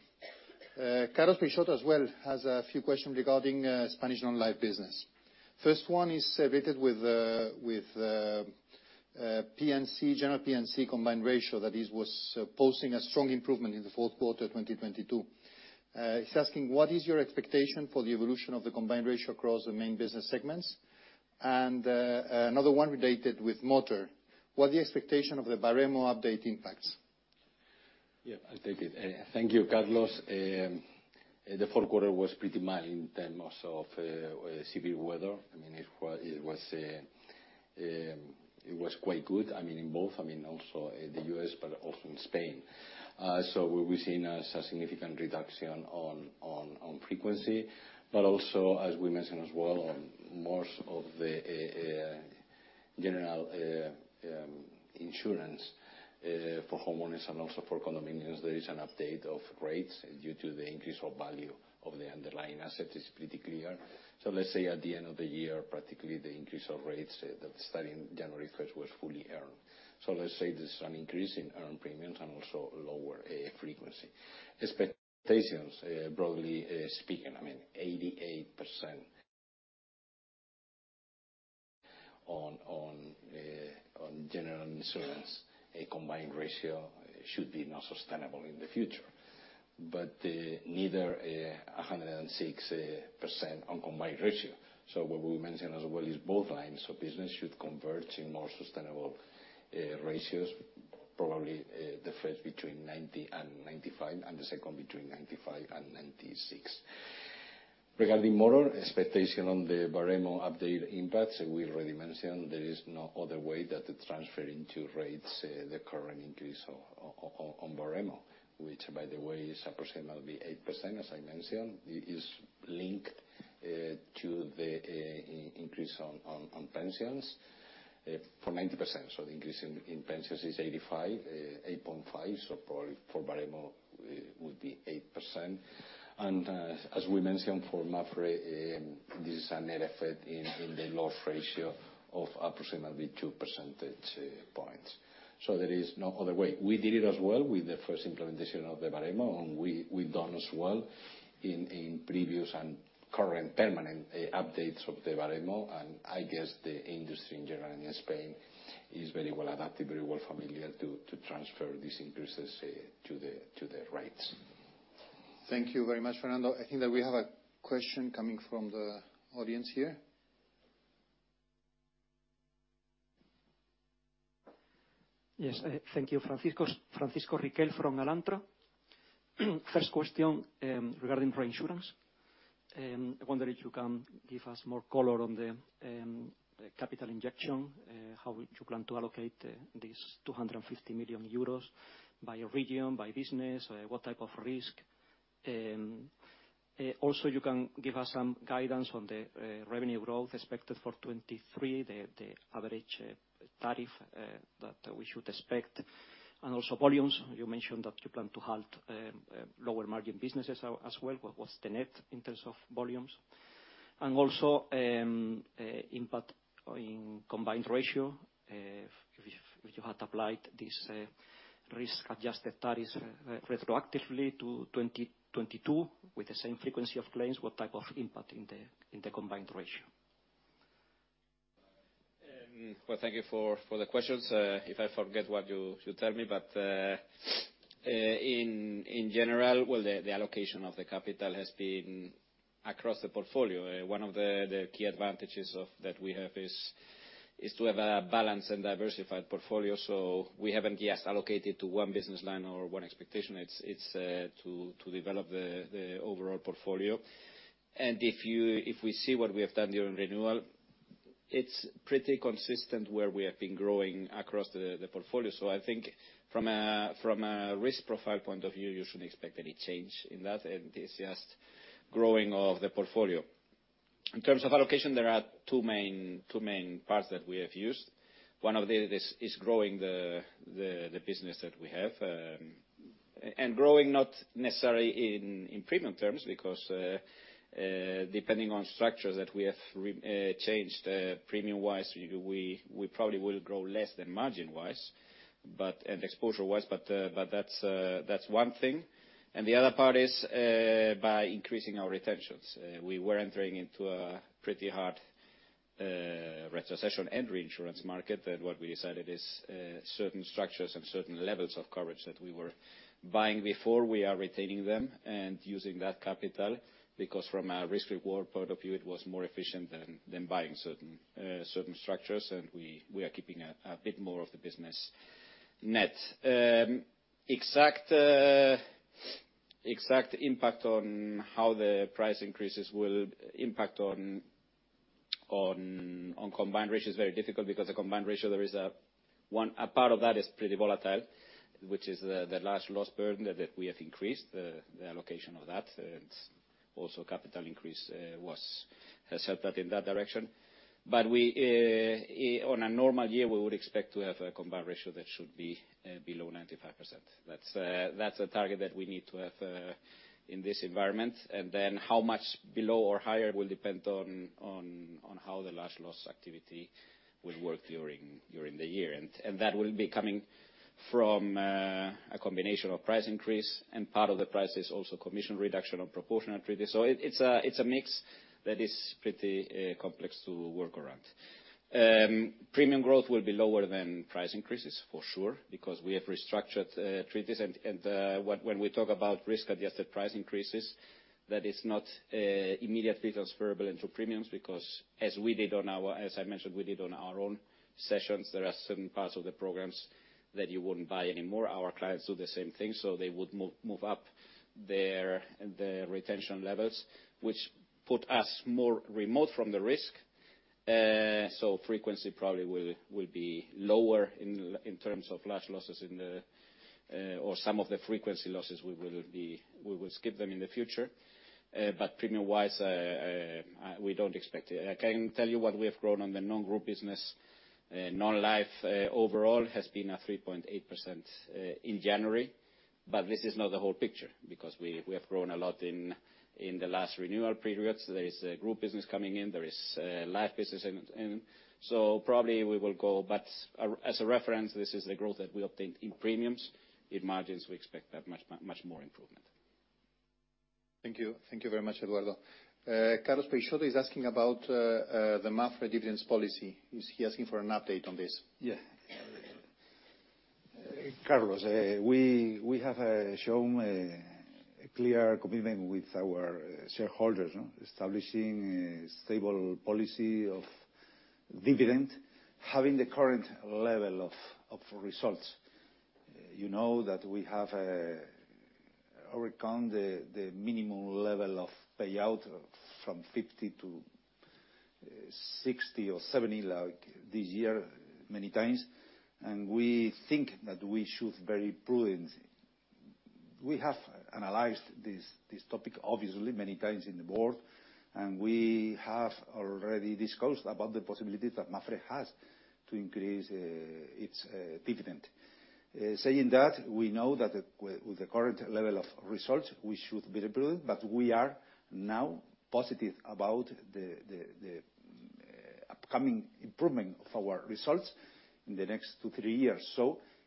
Carlos Peixoto as well has a few questions regarding Spanish non-life business. First one is related with P&C, general P&C combined ratio. That is, was posing a strong improvement in the fourth quarter of 2022. He's asking, what is your expectation for the evolution of the combined ratio across the main business segments? Another one related with motor, what the expectation of the Baremo update impacts? Yeah. I'll take it. Thank you, Carlos. The fourth quarter was pretty mild in terms of severe weather. I mean, it was quite good. I mean, in both, I mean, also in the US, but also in Spain. We, we've seen a significant reduction on frequency, but also, as we mentioned as well, on most of the general insurance for homeowners and also for condominiums, there is an update of rates due to the increase of value of the underlying asset. It's pretty clear. Let's say at the end of the year, practically, the increase of rates that starting January first was fully earned. Let's say there's an increase in earned premiums and also lower frequency. Expect- -tations, broadly speaking. I mean, 88% on general insurance, a combined ratio should be not sustainable in the future. Neither is 106% on combined ratio. What we mention as well is both lines of business should converge in more sustainable ratios, probably, the first between 90 and 95, and the second between 95 and 96. Regarding motor expectation on the Baremo update impact, we already mentioned there is no other way that to transfer into rates, the current increase on Baremo, which by the way is approximately 8%, as I mentioned. It is linked to the increase on pensions from 80%. The increase in pensions is 85, 8.5. Probably for Baremo it would be 8%. As we mentioned for MAPFRE, this is a net effect in the loss ratio of approximately 2 percentage points. There is no other way. We did it as well with the first implementation of the Baremo, and we've done as well in previous and current permanent updates of the Baremo. I guess the industry in general in Spain is very well adapted, very well familiar to transfer these increases to the rates. Thank you very much, Fernando. I think that we have a question coming from the audience here. Yes. Thank you. Francisco Riquel from Alantra. First question regarding reinsurance. I wonder if you can give us more color on the capital injection, how you plan to allocate this 250 million euros by region, by business, what type of risk? Also, you can give us some guidance on the revenue growth expected for 2023, the average tariff that we should expect, and also volumes. You mentioned that you plan to halt lower margin businesses as well. What's the net in terms of volumes? Also, impact in combined ratio. If you had applied this risk-adjusted tariffs retroactively to 2022 with the same frequency of claims, what type of impact in the combined ratio? Well, thank you for the questions. If I forget what you tell me. In general, well, the allocation of the capital has been across the portfolio. One of the key advantages that we have is to have a balanced and diversified portfolio. We haven't just allocated to one business line or one expectation. It's to develop the overall portfolio. If we see what we have done during renewal, it's pretty consistent where we have been growing across the portfolio. I think from a risk profile point of view, you shouldn't expect any change in that. It is just growing of the portfolio. In terms of allocation, there are two main parts that we have used. One of them is growing the business that we have. Growing not necessarily in premium terms because depending on structure that we have changed premium-wise, we probably will grow less than margin-wise and exposure-wise. That's one thing. The other part is by increasing our retentions. We were entering into a pretty hard retrocession and reinsurance market. What we decided is certain structures and certain levels of coverage that we were buying before, we are retaining them and using that capital, because from a risk reward point of view, it was more efficient than buying certain structures. We are keeping a bit more of the business net. Exact impact on how the price increases will impact on combined ratio is very difficult because the combined ratio there is a part of that is pretty volatile, which is the large loss burden that we have increased the allocation of that. Also, capital increase has helped that in that direction. On a normal year, we would expect to have a combined ratio that should be below 95%. That's a target that we need to have in this environment. Then how much below or higher will depend on how the large loss activity will work during the year. That will be coming from a combination of price increase, and part of the price is also commission reduction on proportionate treaties. it's a mix that is pretty complex to work around. Premium growth will be lower than price increases for sure, because we have restructured treaties, when we talk about risk-adjusted price increases, that is not immediately transferable into premiums because as I mentioned, we did on our own sessions, there are certain parts of the programs that you wouldn't buy anymore. Our clients do the same thing, they would move up their retention levels, which put us more remote from the risk. Frequency probably will be lower in terms of large losses in the or some of the frequency losses we will skip them in the future. Premium-wise, we don't expect it. I can tell you what we have grown on the non-group business. Non-life overall has been 3.8% in January. This is not the whole picture because we have grown a lot in the last renewal periods. There is a group business coming in. There is life business in. Probably we will go, but as a reference, this is the growth that we obtained in premiums. In margins, we expect that much more improvement. Thank you. Thank you very much, Eduardo. Carlos Peixoto is asking about the MAPFRE dividends policy. Is he asking for an update on this? Carlos, we have shown a clear commitment with our shareholders, establishing a stable policy of dividend, having the current level of results. You know that we have overcome the minimum level of payout from 50 to 60 or 70 like this year many times. We think that we should very prudent. We have analyzed this topic, obviously many times in the board, and we have already discussed about the possibility that MAPFRE has to increase its dividend. Saying that, we know that with the current level of results, we should be prudent, but we are now positive about the upcoming improvement of our results in the next 2, 3 years.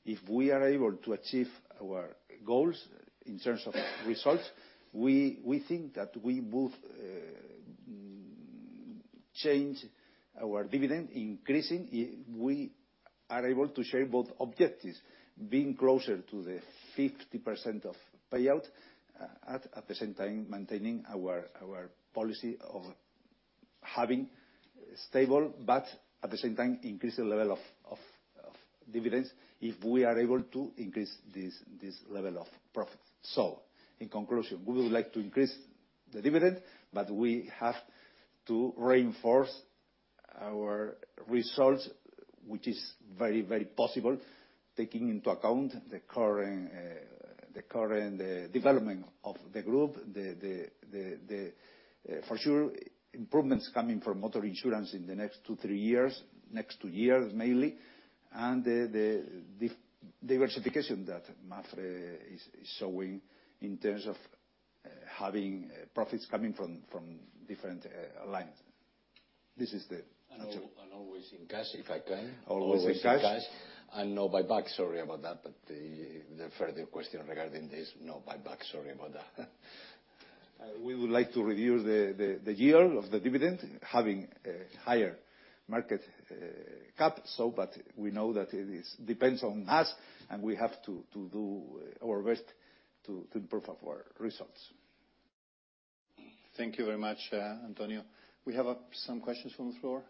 If we are able to achieve our goals in terms of results, we think that we will change our dividend increasing. We are able to share both objectives, being closer to the 50% of payout, at the same time maintaining our policy of having stable, but at the same time, increase the level of dividends if we are able to increase this level of profit. In conclusion, we would like to increase the dividend, but we have to reinforce our results, which is very, very possible, taking into account the current development of the group. The for sure, improvements coming from motor insurance in the next 2-3 years, next 2 years mainly, and the diversification that MAPFRE is showing in terms of having profits coming from different lines. This is the answer. Always in cash, if I can. Always in cash. Always in cash. No buyback. Sorry about that. The further question regarding this, no buyback. Sorry about that. We would like to review the yield of the dividend having a higher market cap. We know that it is, depends on us, and we have to do our best to improve our results. Thank you very much, Antonio. We have some questions from the floor.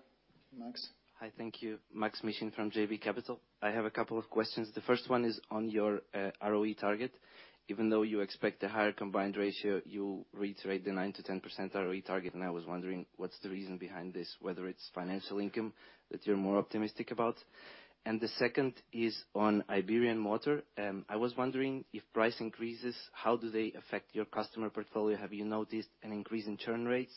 Max. Hi. Thank you. Max Mission from JB Capital. I have a couple of questions. The first one is on your ROE target. Even though you expect a higher combined ratio, you reiterate the 9%-10% ROE target, and I was wondering what's the reason behind this, whether it's financial income that you're more optimistic about. The second is on Iberian Motor. I was wondering if price increases, how do they affect your customer portfolio? Have you noticed an increase in churn rates?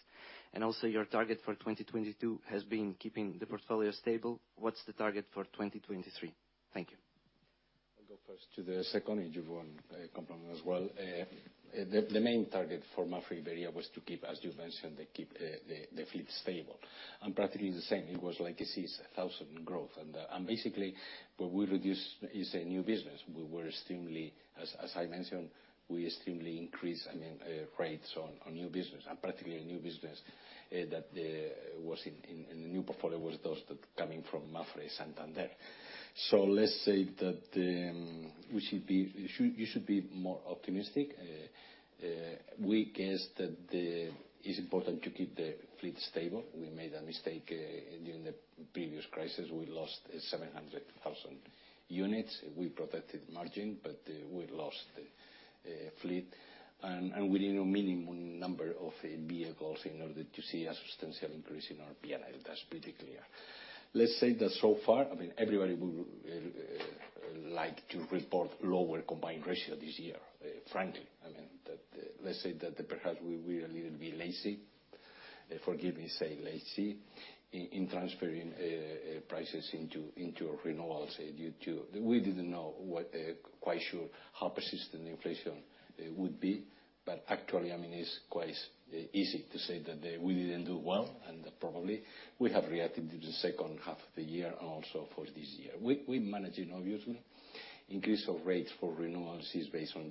Also your target for 2022 has been keeping the portfolio stable. What's the target for 2023? Thank you. I'll go first to the second, you go on, complement as well. The main target for MAPFRE Iberia was to keep, as you mentioned, to keep the fleet stable. Practically the same, it was like a 6,000 growth. Basically, what we reduce is a new business. We were seemingly, as I mentioned, we seemingly increase, I mean, rates on new business and practically new business that was in the new portfolio was those that coming from Mapfre Santander. Let's say that we should be more optimistic. We guess that it's important to keep the fleet stable. We made a mistake during the previous crisis. We lost 700,000 units. We protected margin, we lost the fleet. We need a minimum number of vehicles in order to see a substantial increase in our P&L. That's pretty clear. Let's say that so far, I mean, everybody would like to report lower combined ratio this year, frankly. I mean, that, let's say that perhaps we were a little bit lazy, forgive me saying lazy, in transferring prices into renewals. We didn't know quite sure how persistent inflation would be. Actually, I mean, it's quite easy to say that we didn't do well, and probably we have reacted to the second half of the year and also for this year. We manage it obviously. Increase of rates for renewals is based on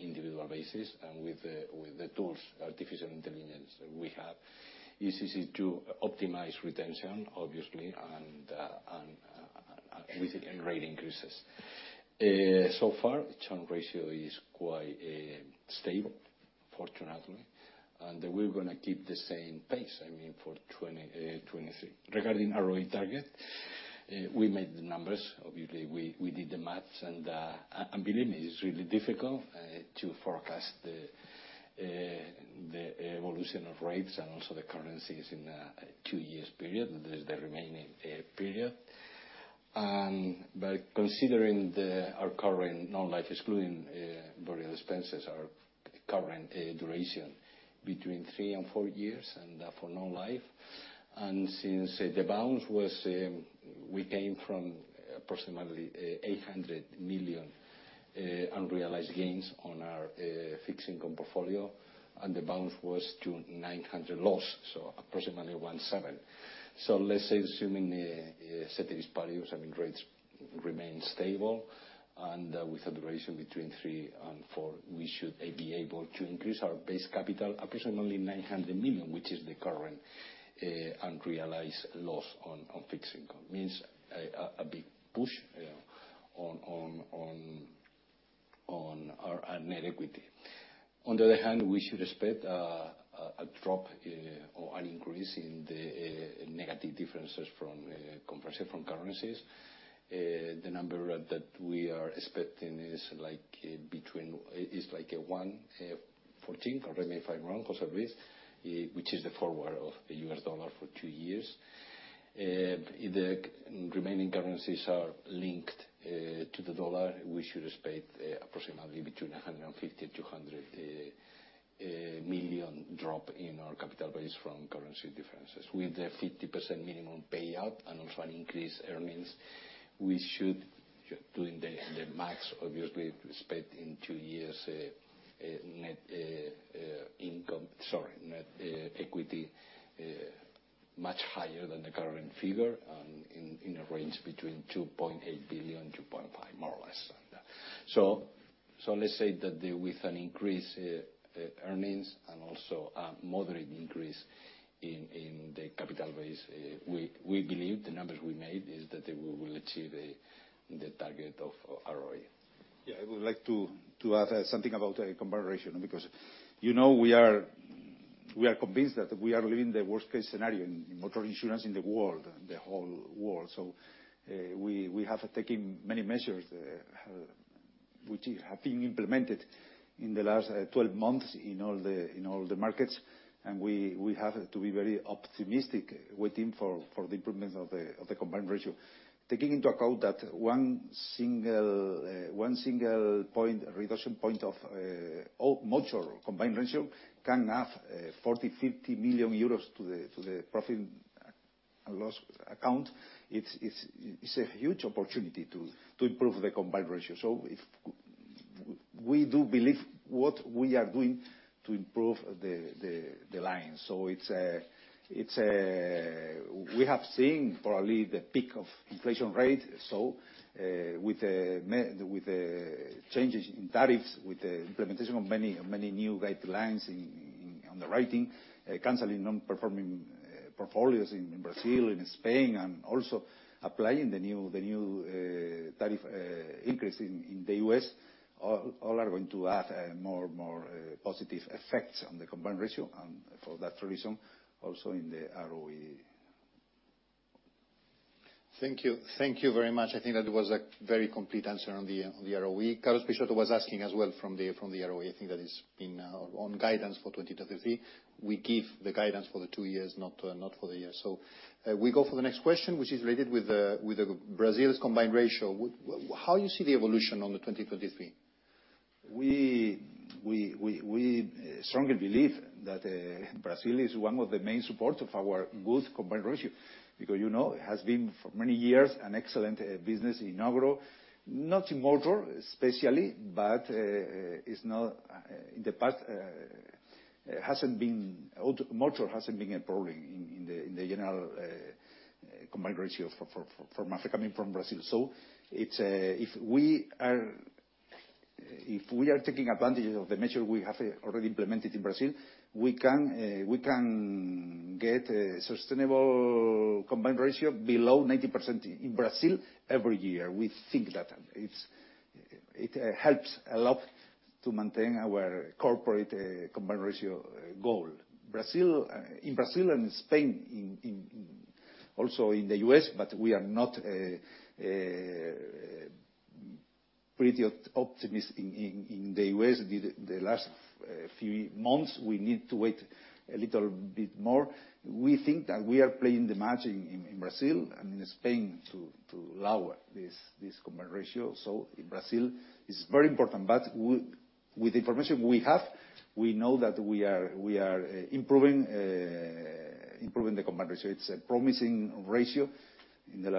individual basis. With the tools, artificial intelligence we have, it's easy to optimize retention, obviously, and with it, rate increases. So far, churn ratio is quite stable, fortunately. We're gonna keep the same pace, I mean, for 2023. Regarding ROE target, we made the numbers. Obviously, we did the math. Believe me, it's really difficult to forecast the evolution of rates and also the currencies in a 2 years period. That is the remaining period. By considering our current non-life excluding burial expenses, our current duration between 3 and 4 years and for non-life. Since the bounce was, we came from approximately 800 million unrealized gains on our fixed income portfolio. The balance was to 900 loss, so approximately 1.7. Let's say assuming, yeah, certain values, I mean, rates remain stable, and with a duration between 3 and 4, we should be able to increase our base capital approximately 900 million, which is the current unrealized loss on fixed income. Means a big push on our net equity. On the other hand, we should expect a drop or an increase in the negative differences from comparison from currencies. The number that we are expecting is, like, 1.14, correct me if I'm wrong, José Luis, which is the forward of the U.S. dollar for 2 years. The remaining currencies are linked to the dollar. We should expect approximately between 150 million-200 million drop in our capital base from currency differences. With the 50% minimum payout and also an increased earnings, we should, doing the max, obviously, expect in 2 years a net equity much higher than the current figure, and in a range between 2.8 billion-2.5 billion, more or less. Let's say that with an increase in earnings and also a moderate increase in the capital base, we believe the numbers we made is that we will achieve the target of ROE. I would like to add something about the combination because, you know, we are convinced that we are living the worst-case scenario in motor insurance in the world, the whole world. We have taken many measures which have been implemented in the last 12 months in all the markets. We have to be very optimistic waiting for the improvements of the combined ratio. Taking into account that one single point, reduction point of motor combined ratio can add 40-50 million euros to the profit and loss account. It's a huge opportunity to improve the combined ratio. If we do believe what we are doing to improve the line. It's a... We have seen probably the peak of inflation rate. With a changes in tariffs, with the implementation of many new guidelines on the writing, canceling non-performing portfolios in Brazil and Spain, and also applying the new tariff increase in the U.S., all are going to add more positive effects on the combined ratio. For that reason, also in the ROE. Thank you. Thank you very much. I think that was a very complete answer on the, on the ROE. Carlos Peixoto was asking as well from the, from the ROE. I think that is in our own guidance for 2023. We give the guidance for the two years, not for the year. We go for the next question, which is related with the, with the Brazil's combined ratio. How you see the evolution on the 2023? We strongly believe that Brazil is one of the main support of our good combined ratio because, you know, it has been for many years an excellent business in agro. Not in motor especially, but it's not in the past, Auto, motor hasn't been a problem in the general combined ratio from coming from Brazil. It's, if we are taking advantage of the measure we have already implemented in Brazil, we can get a sustainable combined ratio below 90% in Brazil every year. We think that. It's, it helps a lot to maintain our corporate combined ratio goal. Brazil, in Brazil and Spain, in, also in the U.S. We are not pretty optimist in the U.S. the last few months. We need to wait a little bit more. We think that we are playing the match in Brazil and in Spain to lower this combined ratio. In Brazil, it's very important. With the information we have, we know that we are improving the combined ratio. It's a promising ratio in the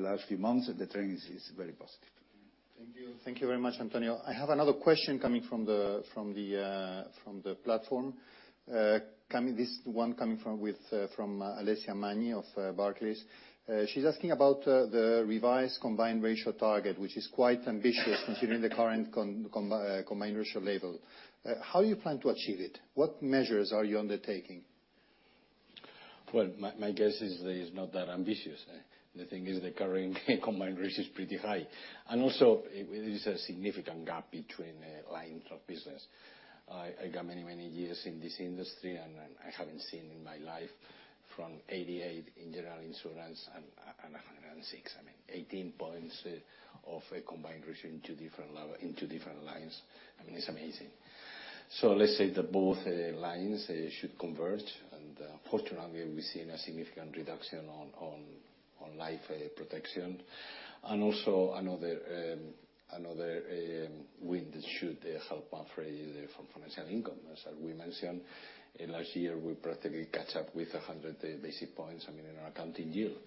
last few months, and the trend is very positive. Thank you. Thank you very much, Antonio. I have another question coming from the platform. This one coming from, with, from Alessia Manni of Barclays. She's asking about the revised combined ratio target, which is quite ambitious considering the current combined ratio level. How you plan to achieve it? What measures are you undertaking? Well, my guess is that it's not that ambitious. The thing is the current combined ratio is pretty high. Also, it is a significant gap between lines of business. I got many years in this industry, and I haven't seen in my life from 88 in general insurance and 106. I mean, 18 points of a combined ratio in two different level, in two different lines, I mean, it's amazing. Let's say that both lines, they should converge. Fortunately, we've seen a significant reduction on life protection. Also another wind that should help free from financial income. As we mentioned, in last year, we practically catch up with 100 basic points, I mean, in our accounting yield.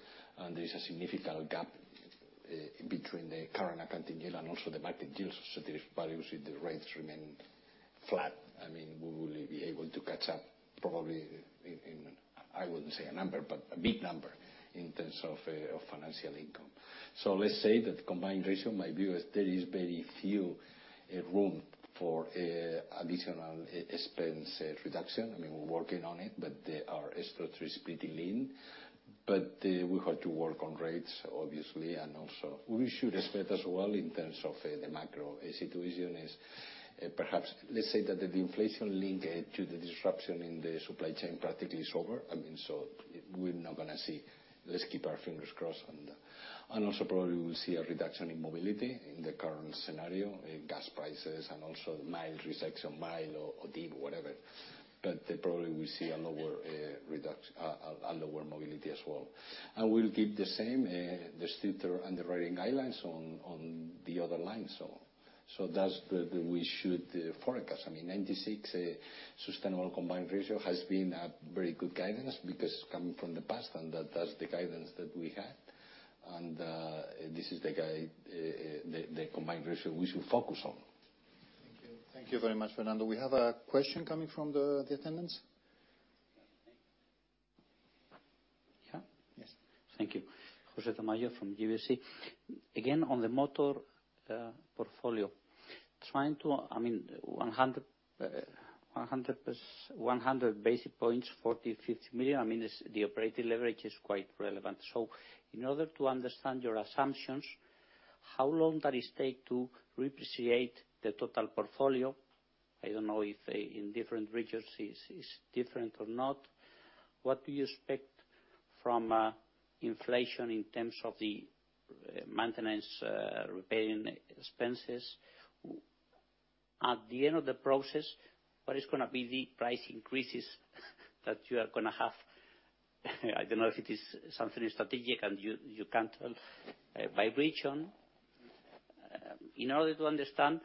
There's a significant gap between the current accounting year and also the market deals. There is values if the rates remain flat. I mean, we will be able to catch up probably in. I wouldn't say a number, but a big number in terms of financial income. Let's say that the combined ratio, my view is there is very few room for additional e-expense reduction. I mean, we're working on it, but they are. So it's pretty lean. We have to work on rates obviously, and also we should expect as well in terms of the macro situation is perhaps let's say that the inflation link to the disruption in the supply chain practically is over. I mean, we're not gonna see. Let's keep our fingers crossed on the. Also probably we'll see a reduction in mobility in the current scenario, in gas prices, and also mild recession, mild or deep, whatever. Probably we see a lower, a lower mobility as well. We'll keep the same, the stricter underwriting guidelines on the other line. That's the we should forecast. I mean, 96% sustainable combined ratio has been a very good guidance because coming from the past and that's the guidance that we had. This is the combined ratio we should focus on. Thank you. Thank you very much, Fernando. We have a question coming from the attendants. Yes. Thank you. José Tamayo from UBC. Again, on the motor portfolio. I mean, one hundred plus, 100 basis points, 40 million, 50 million. I mean, it's the operating leverage is quite relevant. In order to understand your assumptions, how long that it take to reprice the total portfolio? I don't know if in different regions is different or not. What do you expect from inflation in terms of the maintenance repair expenses? At the end of the process, what is gonna be the price increases that you are gonna have? I don't know if it is something strategic and you can't tell by region. In order to understand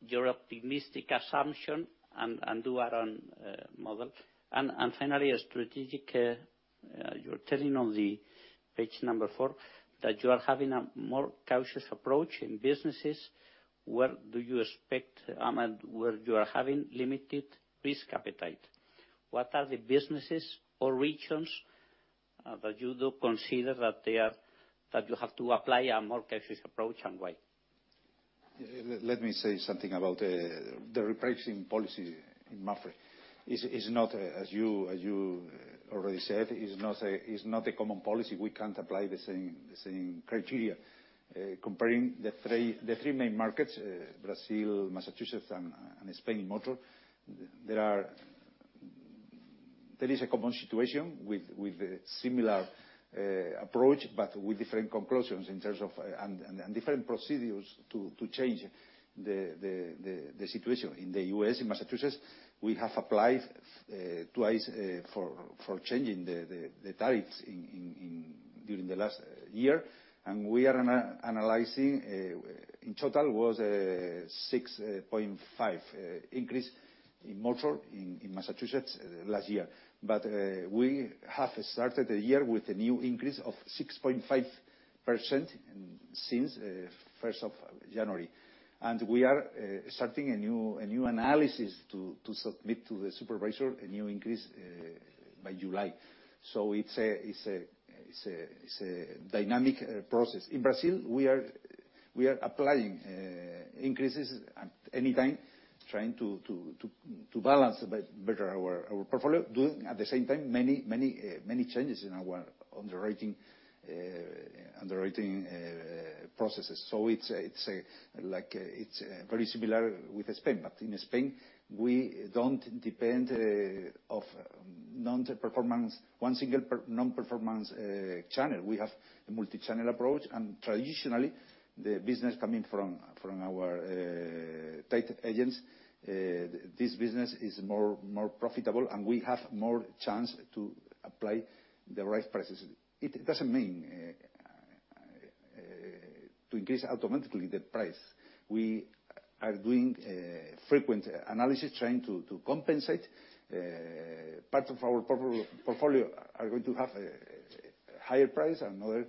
your optimistic assumption and do our own model. Finally, a strategic, you're telling on page 4 that you are having a more cautious approach in businesses. Where do you expect, and where you are having limited risk appetite? What are the businesses or regions that you do consider that you have to apply a more cautious approach and why? Let me say something about the repricing policy in MAPFRE. It's not as you already said, it's not a common policy. We can't apply the same criteria. Comparing the three main markets, Brazil, Massachusetts and Spain motor, there is a common situation with a similar approach, but with different conclusions in terms of and different procedures to change the situation. In the U.S., in Massachusetts, we have applied twice for changing the tariffs during the last year. We are analyzing, in total was a 6.5% increase in motor in Massachusetts last year. We have started the year with a new increase of 6.5% since first of January. We are starting a new analysis to submit to the supervisor a new increase by July. It's a dynamic process. In Brazil, we are applying increases at any time, trying to balance better our portfolio. Doing at the same time, many changes in our underwriting processes. It's like a very similar with Spain. In Spain, we don't depend of non-performance, one single non-performance channel. We have a multi-channel approach. Traditionally, the business coming from our tied agents, this business is more profitable, and we have more chance to apply the right prices. It doesn't mean to increase automatically the price. We are doing frequent analysis trying to compensate parts of our portfolio are going to have a higher price and other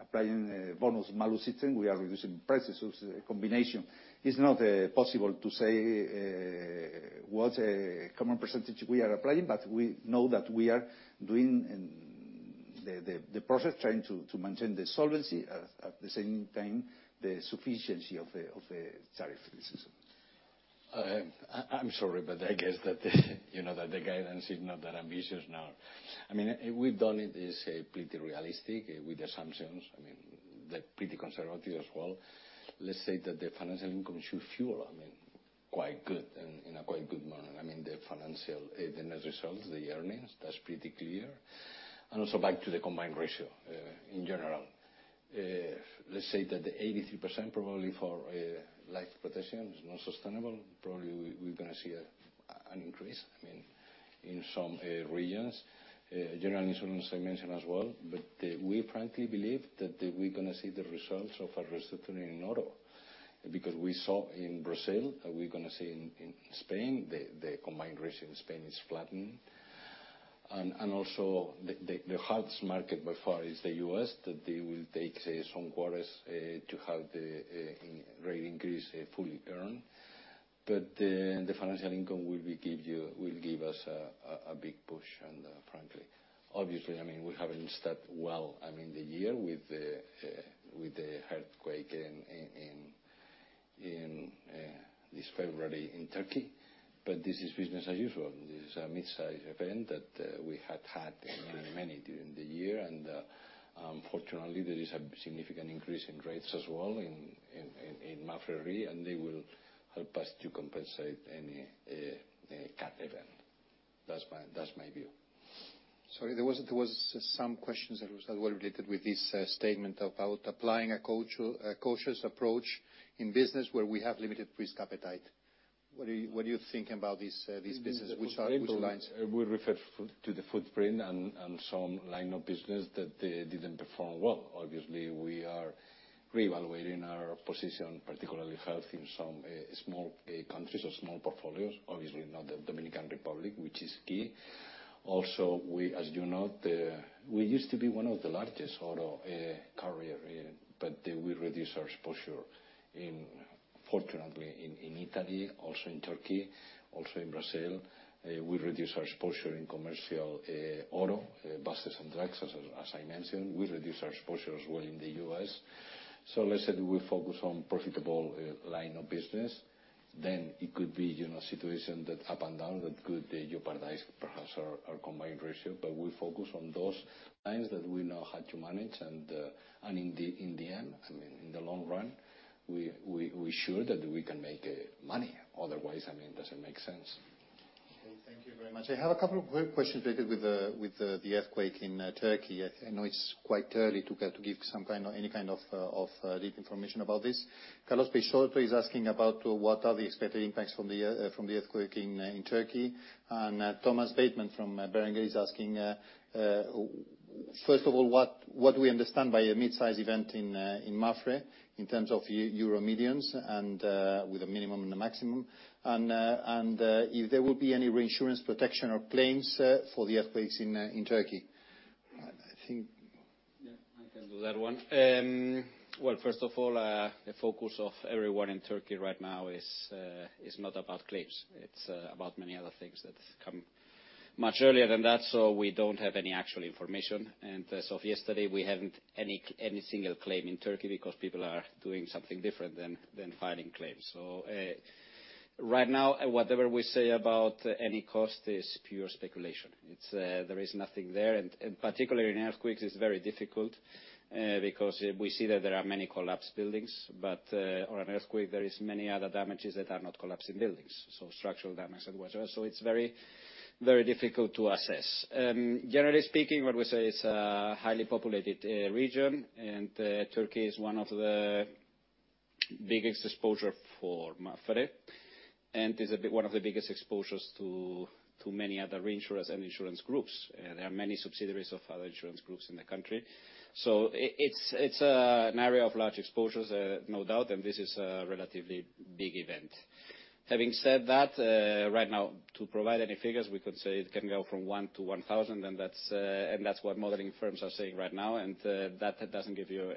applying bonus-malus system. We are reducing prices. It's a combination. It's not possible to say what a common percentage we are applying, but we know that we are doing the process, trying to maintain the solvency, at the same time, the sufficiency of the tariff. I'm sorry, I guess that, you know, that the guidance is not that ambitious now. I mean, we've done it. It's pretty realistic with the assumptions. I mean, they're pretty conservative as well. Let's say that the financial income should fuel, I mean, quite good, in a quite good manner. I mean, the financial, the net results, the earnings, that's pretty clear. Also back to the combined ratio in general. Let's say that the 83% probably for life protection is not sustainable. Probably we're gonna see an increase, I mean, in some regions. General insurance, I mentioned as well, we frankly believe that we're gonna see the results of a restructuring in auto, because we saw in Brazil, we're gonna see in Spain, the combined ratio in Spain is flattening. Also the hardest market by far is the US that they will take, say, some quarters to have the rate increase fully earn. The financial income will give us a big push and frankly. Obviously, I mean, we haven't started well, I mean, the year with the earthquake in this February in Turkey, but this is business as usual. This is a mid-size event that we had had many, many during the year, and unfortunately, there is a significant increase in rates as well in MAPFRE RE, and they will help us to compensate any cat event. That's my, that's my view. Sorry, there was some questions that was related with this statement about applying a cautious approach in business where we have limited risk appetite. What do you think about this business? Which lines? We refer to the footprint and some line of business that didn't perform well. Obviously, we are reevaluating our position, particularly health in some small countries or small portfolios, obviously not the Dominican Republic, which is key. We, as you know, we used to be one of the largest auto carrier in. We reduced our exposure in, fortunately, in Italy, also in Turkey, also in Brazil. We reduced our exposure in commercial auto buses and trucks, as I mentioned. We reduced our exposure as well in the U.S. Let's say we focus on profitable line of business, it could be, you know, situation that up and down that could jeopardize perhaps our combined ratio. We focus on those lines that we know how to manage and in the, in the end, I mean, in the long run, we're sure that we can make money. Otherwise, I mean, it doesn't make sense. Okay. Thank you very much. I have a couple of quick questions related with the earthquake in Turkey. I know it's quite early to kind of give some kind or any kind of deep information about this. Carlos. Mm-hmm. Pichoto is asking about what are the expected impacts from the earthquake in Turkey. Thomas Bateman from Berenberg is asking, first of all, what we understand by a mid-size event in MAPFRE in terms of Euro millions and with a minimum and a maximum, and if there will be any reinsurance protection or claims for the earthquakes in Turkey. I think... Yeah, I can do that one. Well, first of all, the focus of everyone in Turkey right now is not about claims. It's about many other things that come much earlier than that, so we don't have any actual information. As of yesterday, we haven't any single claim in Turkey because people are doing something different than filing claims. Right now, whatever we say about any cost is pure speculation. It's there is nothing there. Particularly in earthquakes, it's very difficult because we see that there are many collapsed buildings. On an earthquake, there is many other damages that are not collapsing buildings, so structural damage and whatever. It's very, very difficult to assess. Generally speaking, what we say is a highly populated region, and Turkey is one of the biggest exposure for MAPFRE, and is one of the biggest exposures to many other reinsurers and insurance groups. There are many subsidiaries of other insurance groups in the country. So it's an area of large exposures, no doubt, and this is a relatively big event. Having said that, right now, to provide any figures, we could say it can go from 1 to 1,000, and that's and that's what modeling firms are saying right now, and that doesn't give you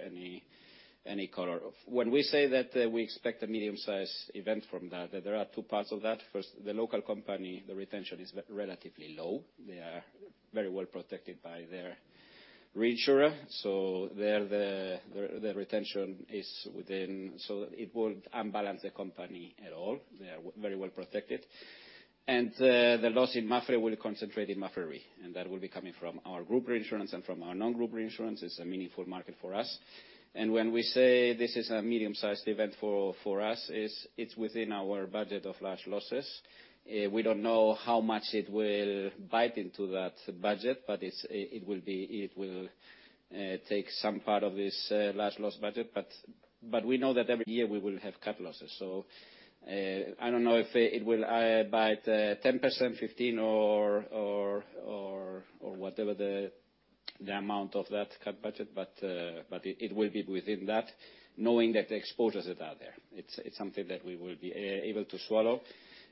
any color of... When we say that, we expect a medium-sized event from that, there are two parts of that. First, the local company, the retention is relatively low. They are very well protected by their reinsurer. There, the retention is within, so it won't unbalance the company at all. They are very well protected. The loss in MAPFRE will concentrate in MAPFRE RE, and that will be coming from our group reinsurance and from our non-group reinsurance. It's a meaningful market for us. When we say this is a medium-sized event for us, it's within our budget of large losses. We don't know how much it will bite into that budget, but it will take some part of this large loss budget. We know that every year we will have cat losses. I don't know if it will bite 10%, 15%, or whatever the amount of that cat budget, but it will be within that, knowing that the exposures are there. It's something that we will be able to swallow.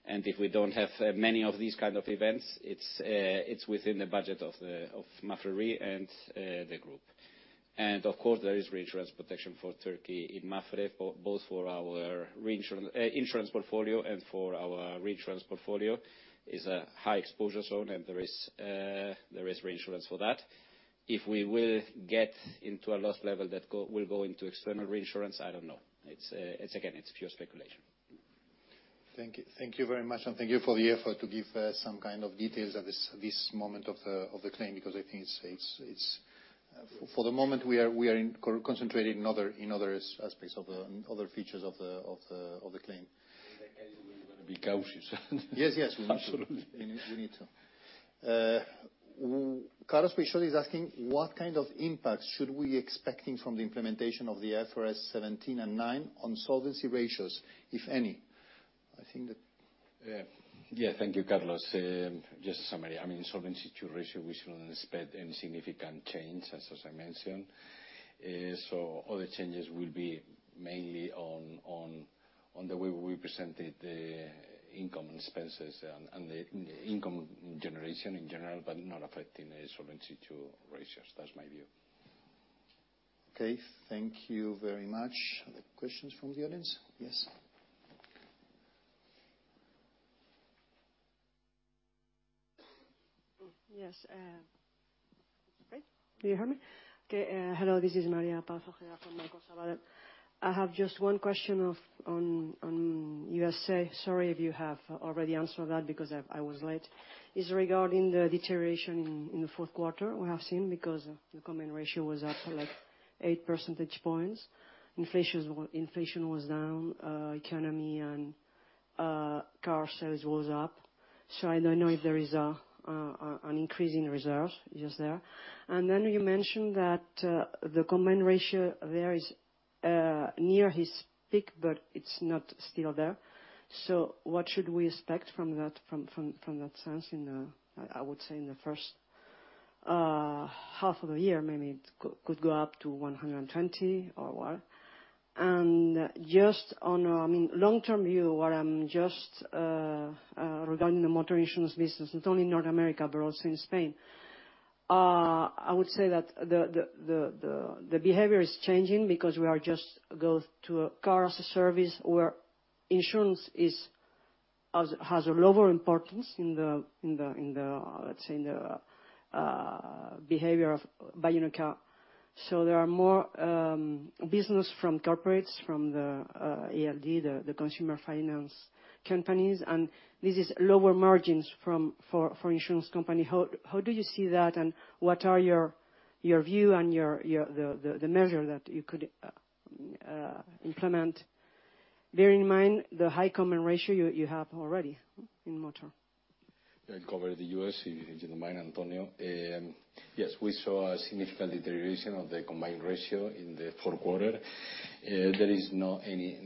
If we don't have many of these kind of events, it's within the budget of MAPFRE RE and the group. Of course, there is reinsurance protection for Turkey in MAPFRE both for our insurance portfolio and for our reinsurance portfolio. It's a high exposure zone, and there is reinsurance for that. If we will get into a loss level that will go into external reinsurance, I don't know. It's again, it's pure speculation. Thank you. Thank you very much. Thank you for the effort to give some kind of details at this moment of the claim, because I think it's. For the moment, we are concentrating in other aspects of the other features of the claim. In that case, we're gonna be cautious. Yes, yes, we need to. Absolutely. We need to. Carlos Peixoto is asking what kind of impact should we expecting from the implementation of the IFRS 17 and 9 on solvency ratios, if any? I think that... Yeah. Yeah. Thank you, Carlos. Just a summary. I mean, Solvency II ratio, we shouldn't expect any significant change, as I mentioned. All the changes will be mainly... On the way we presented the income expenses and the income generation in general, but not affecting the Solvency II ratios. That's my view. Okay, thank you very much. Other questions from the audience? Yes. Yes, Great. Do you hear me? Okay. Hello, this is Maria Paz Rogera from Banco Sabadell. I have just 1 question on USA. Sorry if you have already answered that because I was late. It's regarding the deterioration in the 4th quarter we have seen because the combined ratio was up to like 8 percentage points. Inflation was down. Economy and car sales was up. I don't know if there is an increase in reserve is there. You mentioned that the combined ratio there is near its peak, but it's not still there. What should we expect from that sense in the, I would say, in the 1st half of the year? Maybe it could go up to 120 or what? Just on a, I mean, long-term view, what I'm just regarding the motor insurance business, it's only North America, but also in Spain. I would say that the behavior is changing because we are just go to a car as a service where insurance is, has a lower importance in the, let's say, in the behavior of buying a car. There are more business from corporates, from the ALD, the consumer finance companies, and this is lower margins for insurance company. How do you see that, and what are your view and your the measure that you could implement bearing in mind the high combined ratio you have already in motor? I'll cover the US if you don't mind, Antonio. Yes, we saw a significant deterioration of the combined ratio in the fourth quarter. There is not any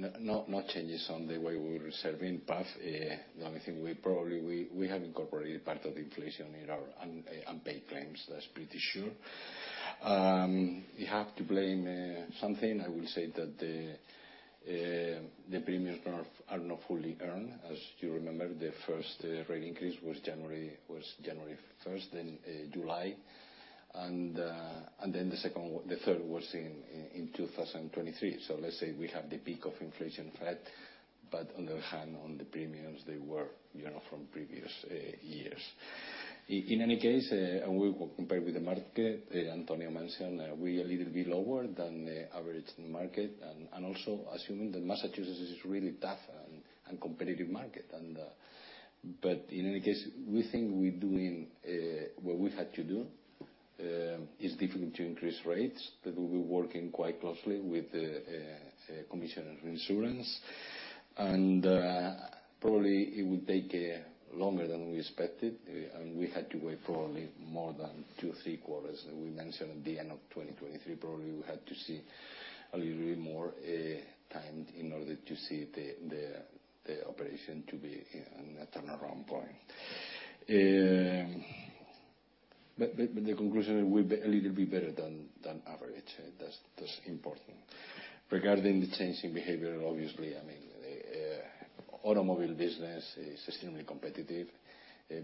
changes on the way we're reserving. The only thing we probably have incorporated part of the inflation in our unpaid claims. That's pretty sure. We have to blame something. I will say that the premiums are not fully earned. As you remember, the first rate increase was January, was January first, then July. Then the third was in 2023. Let's say we have the peak of inflation flat, but on the other hand, on the premiums, they were, you know, from previous years. In any case, and we will compare with the market, Antonio mentioned, we are a little bit lower than the average in the market and also assuming that Massachusetts is really tough and competitive market. But in any case, we think we're doing what we had to do. It's difficult to increase rates, but we'll be working quite closely with the commissioner of insurance. Probably it will take longer than we expected, and we had to wait probably more than 2, 3 quarters. We mentioned at the end of 2023, probably we had to see a little bit more time in order to see the operation to be in a turnaround point. But the conclusion, we're a little bit better than average. That's important. Regarding the changing behavior, obviously, I mean, automobile business is extremely competitive,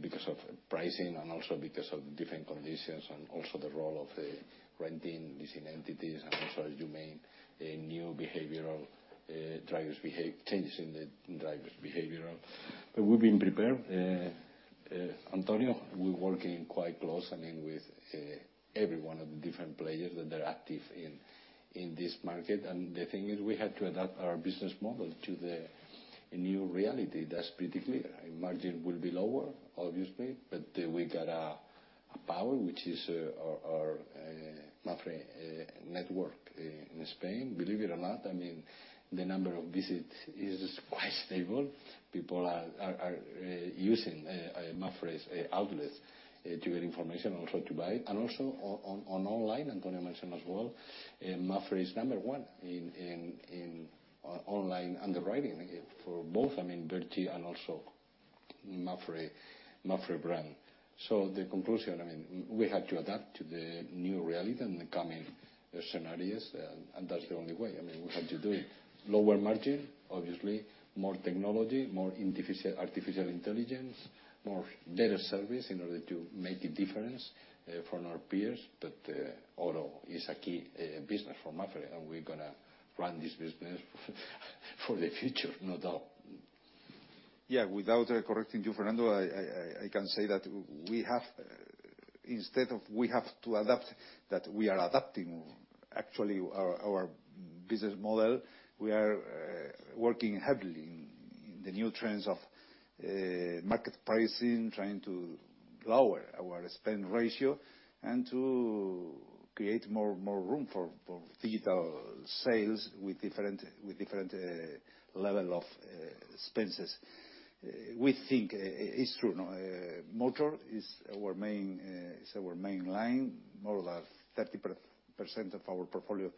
because of pricing and also because of different conditions and also the role of the renting, leasing entities and also as you mentioned, a new behavioral, changes in the driver's behavioral. We've been prepared. Antonio, we're working quite close, I mean, with every one of the different players that are active in this market. The thing is we had to adapt our business model to the new reality. That's pretty clear. Margin will be lower, obviously, but we got a power, which is our MAPFRE network in Spain. Believe it or not, I mean, the number of visits is quite stable. People are using MAPFRE's outlets to get information, also to buy. Also on online, Antonio mentioned as well, MAPFRE is number 1 in online underwriting for both, I mean, Verti and also MAPFRE brand. The conclusion, I mean, we had to adapt to the new reality and the coming scenarios, and that's the only way. I mean, we have to do it. Lower margin, obviously. More technology, more artificial intelligence, more data service in order to make a difference from our peers. Auto is a key business for MAPFRE, and we're gonna run this business for the future, no doubt. Yeah. Without correcting you, Fernando, I can say that we have, instead of we have to adapt, that we are adapting actually our business model. We are working heavily in the new trends of market pricing, trying to lower our spend ratio and to create more room for digital sales with different level of expenses. We think it's true. Motor is our main line. More than 30% of our portfolio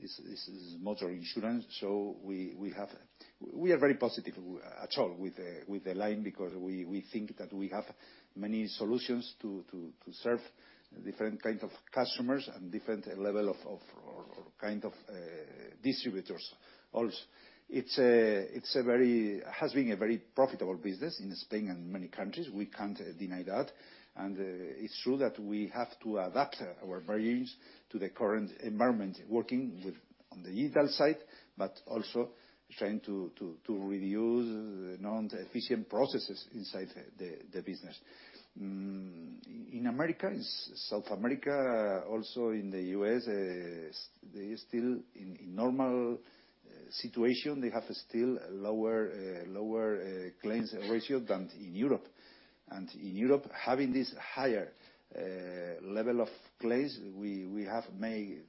is motor insurance. We are very positive at all with the line because we think that we have many solutions to serve different kinds of customers and different level of kind of distributors it's a very... It has been a very profitable business in Spain and many countries. We can't deny that. It's true that we have to adapt our variants to the current environment, working with on the dental side, but also trying to reduce the non-efficient processes inside the business. In America, in South America, also in the U.S., they still in normal situation, they have still lower claims ratio than in Europe. In Europe, having this higher level of claims, we have made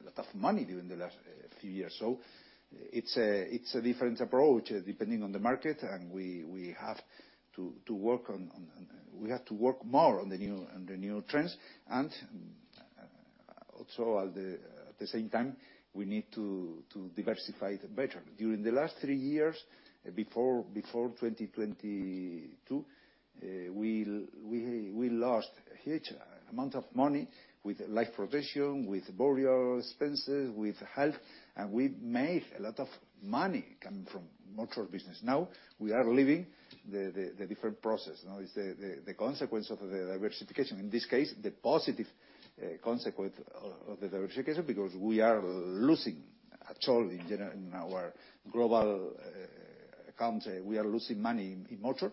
a lot of money during the last few years. It's a different approach, depending on the market. We have to work on. We have to work more on the new trends. Also at the same time, we need to diversify better. During the last 3 years, before 2022, we lost a huge amount of money with life protection, with burial expenses, with health, and we made a lot of money coming from motor business. Now, we are living the different process. Now it's the consequence of the diversification. In this case, the positive consequence of the diversification, because we are losing actually in our global account, we are losing money in motor,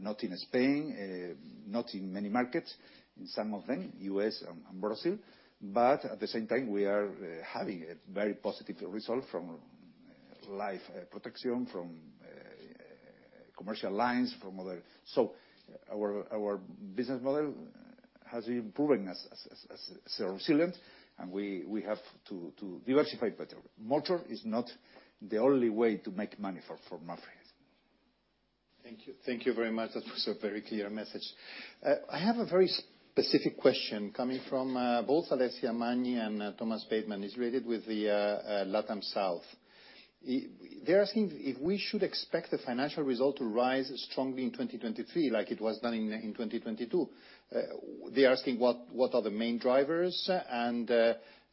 not in Spain, not in many markets, in some of them, U.S. and Brazil. At the same time, we are having a very positive result from life protection, from commercial lines, from other... Our business model has been improving as resilient, and we have to diversify better. Motor is not the only way to make money for MAPFRE. Thank you. Thank you very much. That was a very clear message. I have a very specific question coming from both Alessia Manni and Thomas Bateman. It's related with the Latam South. They're asking if we should expect the financial result to rise strongly in 2023 like it was done in 2022. They're asking what are the main drivers,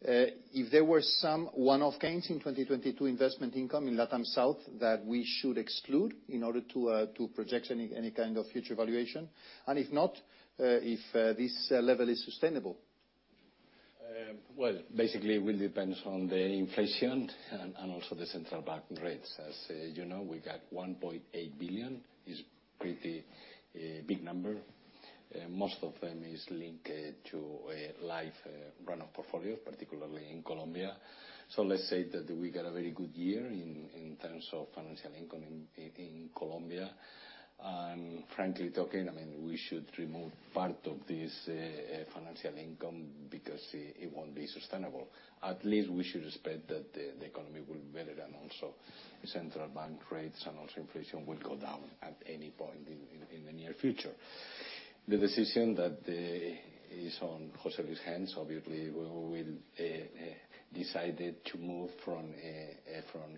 if there were some one-off gains in 2022 investment income in Latam South that we should exclude in order to project any kind of future valuation. If not, if this level is sustainable. Well, basically, it will depends on the inflation and also the central bank rates. As you know, we got 1.8 billion. Is pretty a big number. Most of them is linked to a live run of portfolios, particularly in Colombia. Let's say that we got a very good year in terms of financial income in Colombia. Frankly talking, I mean, we should remove part of this financial income because it won't be sustainable. At least we should expect that the economy will be better and also central bank rates and also inflation will go down at any point in the near future. The decision that is on José Luis hands, obviously, we'll decided to move from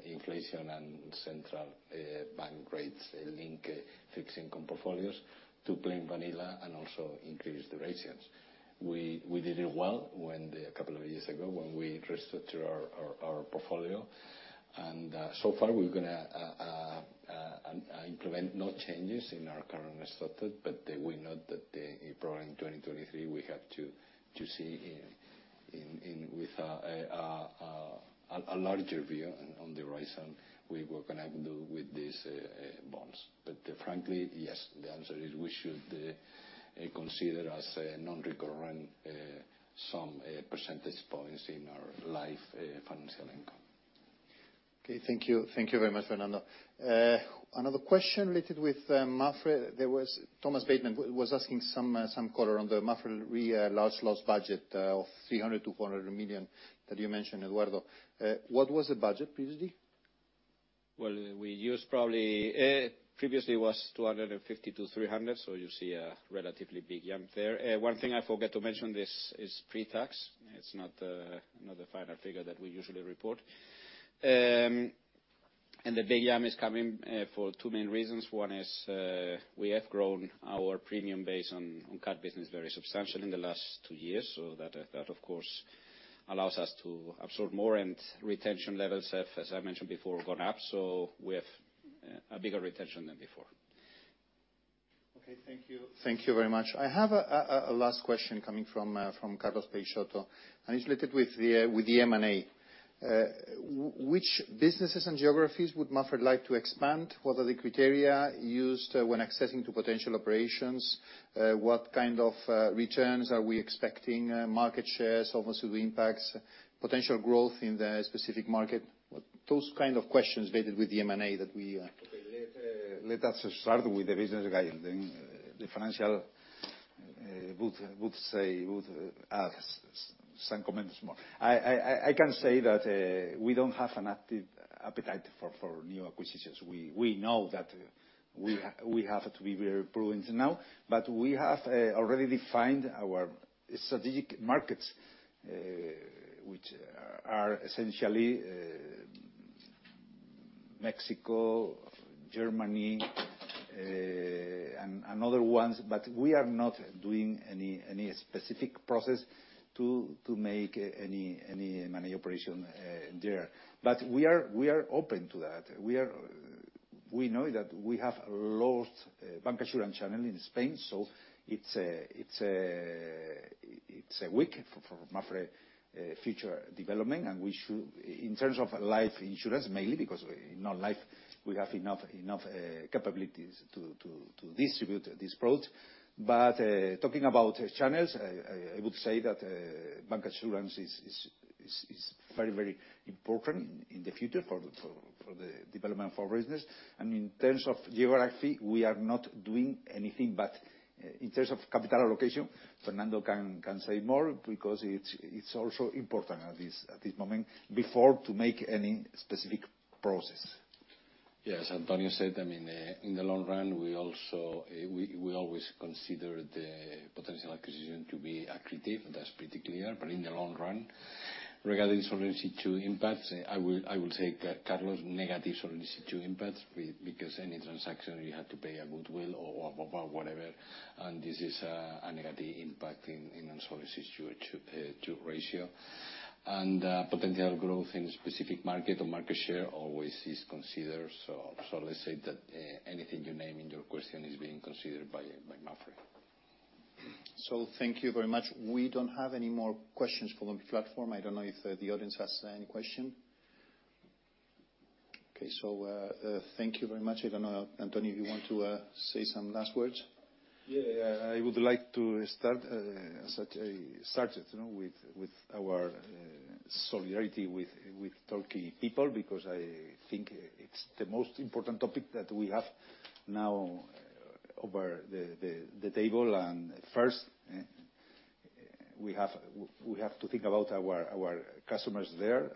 inflation and central bank rates link fixed income portfolios to plain vanilla and also increase the ratios. We did it well when a couple of years ago when we restructured our portfolio. So far, we're gonna implement no changes in our current strategy. We know that probably in 2023, we have to see in with a larger view on the horizon, we were gonna do with these bonds. Frankly, yes, the answer is we should consider as a non-recurrent, some percentage points in our life financial income. Okay, thank you. Thank you very much, Fernando. Another question related with MAPFRE. There was Thomas Bateman was asking some color on the MAPFRE RE, large loss budget, of 300 million-400 million that you mentioned, Eduardo. What was the budget previously? Well, we used probably, previously was 250-300, so you see a relatively big jump there. One thing I forgot to mention, this is pre-tax. It's not the final figure that we usually report. The big jump is coming, for two main reasons. One is, we have grown our premium base on CAT business very substantially in the last two years. That, that of course, allows us to absorb more and retention levels have, as I mentioned before, gone up. We have, a bigger retention than before. Okay, thank you. Thank you very much. I have a last question coming from Carlos Peixoto, it's related with the M&A. Which businesses and geographies would MAPFRE like to expand? What are the criteria used when accessing to potential operations? What kind of returns are we expecting? Market shares, obviously the impacts, potential growth in the specific market. Those kind of questions related with the M&A that we. Okay. Let us start with the business guide and then the financial would say, ask some comments more. I can say that we don't have an active appetite for new acquisitions. We know that we have to be very prudent now, but we have already defined our strategic markets, which are essentially Mexico, Germany, and other ones. We are not doing any specific process to make any M&A operation there. We are open to that. We know that we have lost bancassurance channel in Spain, so it's a weak for MAPFRE future development. We should in terms of life insurance mainly, because in our life we have enough capabilities to distribute this product. Talking about channels, I would say that bancassurance is very important in the future for the development for business. In terms of geography, we are not doing anything. In terms of capital allocation, Fernando can say more because it's also important at this moment before to make any specific process. Antonio said, I mean, in the long run, we always consider the potential acquisition to be accretive. That's pretty clear. In the long run, regarding Solvency II impacts, I will take Carlos negative Solvency II impacts because any transaction you have to pay a goodwill or whatever. This is a negative impact in Solvency II ratio. Potential growth in specific market or market share always is considered. Let's say that anything you name in your question is being considered by MAPFRE. Thank you very much. I don't know if the audience has any question. Okay. Thank you very much. I don't know, Antonio, if you want to say some last words. Yeah. Yeah. I would like to start it, you know, with our solidarity with Turkey people, because I think it's the most important topic that we have now over the table. First, we have to think about our customers there.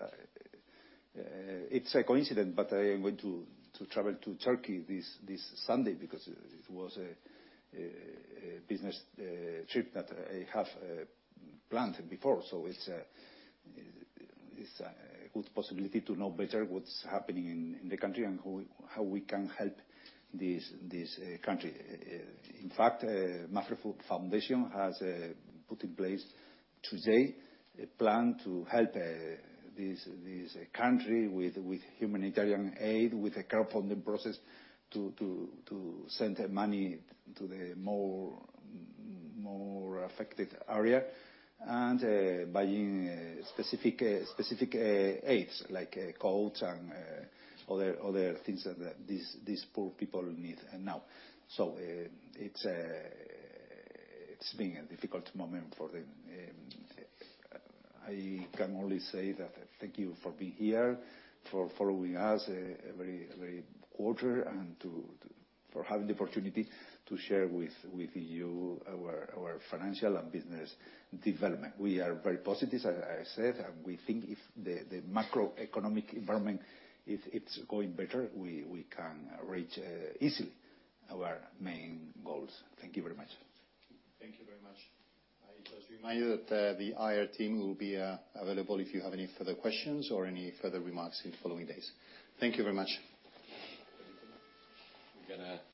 It's a coincidence, but I am going to travel to Turkey this Sunday because it was a business trip that I have planned before. It's a good possibility to know better what's happening in the country and how we can help this country. In fact, Fundación MAPFRE has put in place today a plan to help this country with humanitarian aid, with a crowdfunding process to send money to the more affected area, and buying specific aids, like coats and other things that these poor people need now. It's been a difficult moment for them. I can only say that thank you for being here, for following us every quarter and for having the opportunity to share with you our financial and business development. We are very positive, as I said, we think if the macroeconomic environment, if it's going better, we can reach easily our main goals. Thank you very much. Thank you very much. I just remind you that the IR team will be available if you have any further questions or any further remarks in the following days. Thank you very much. We're gonna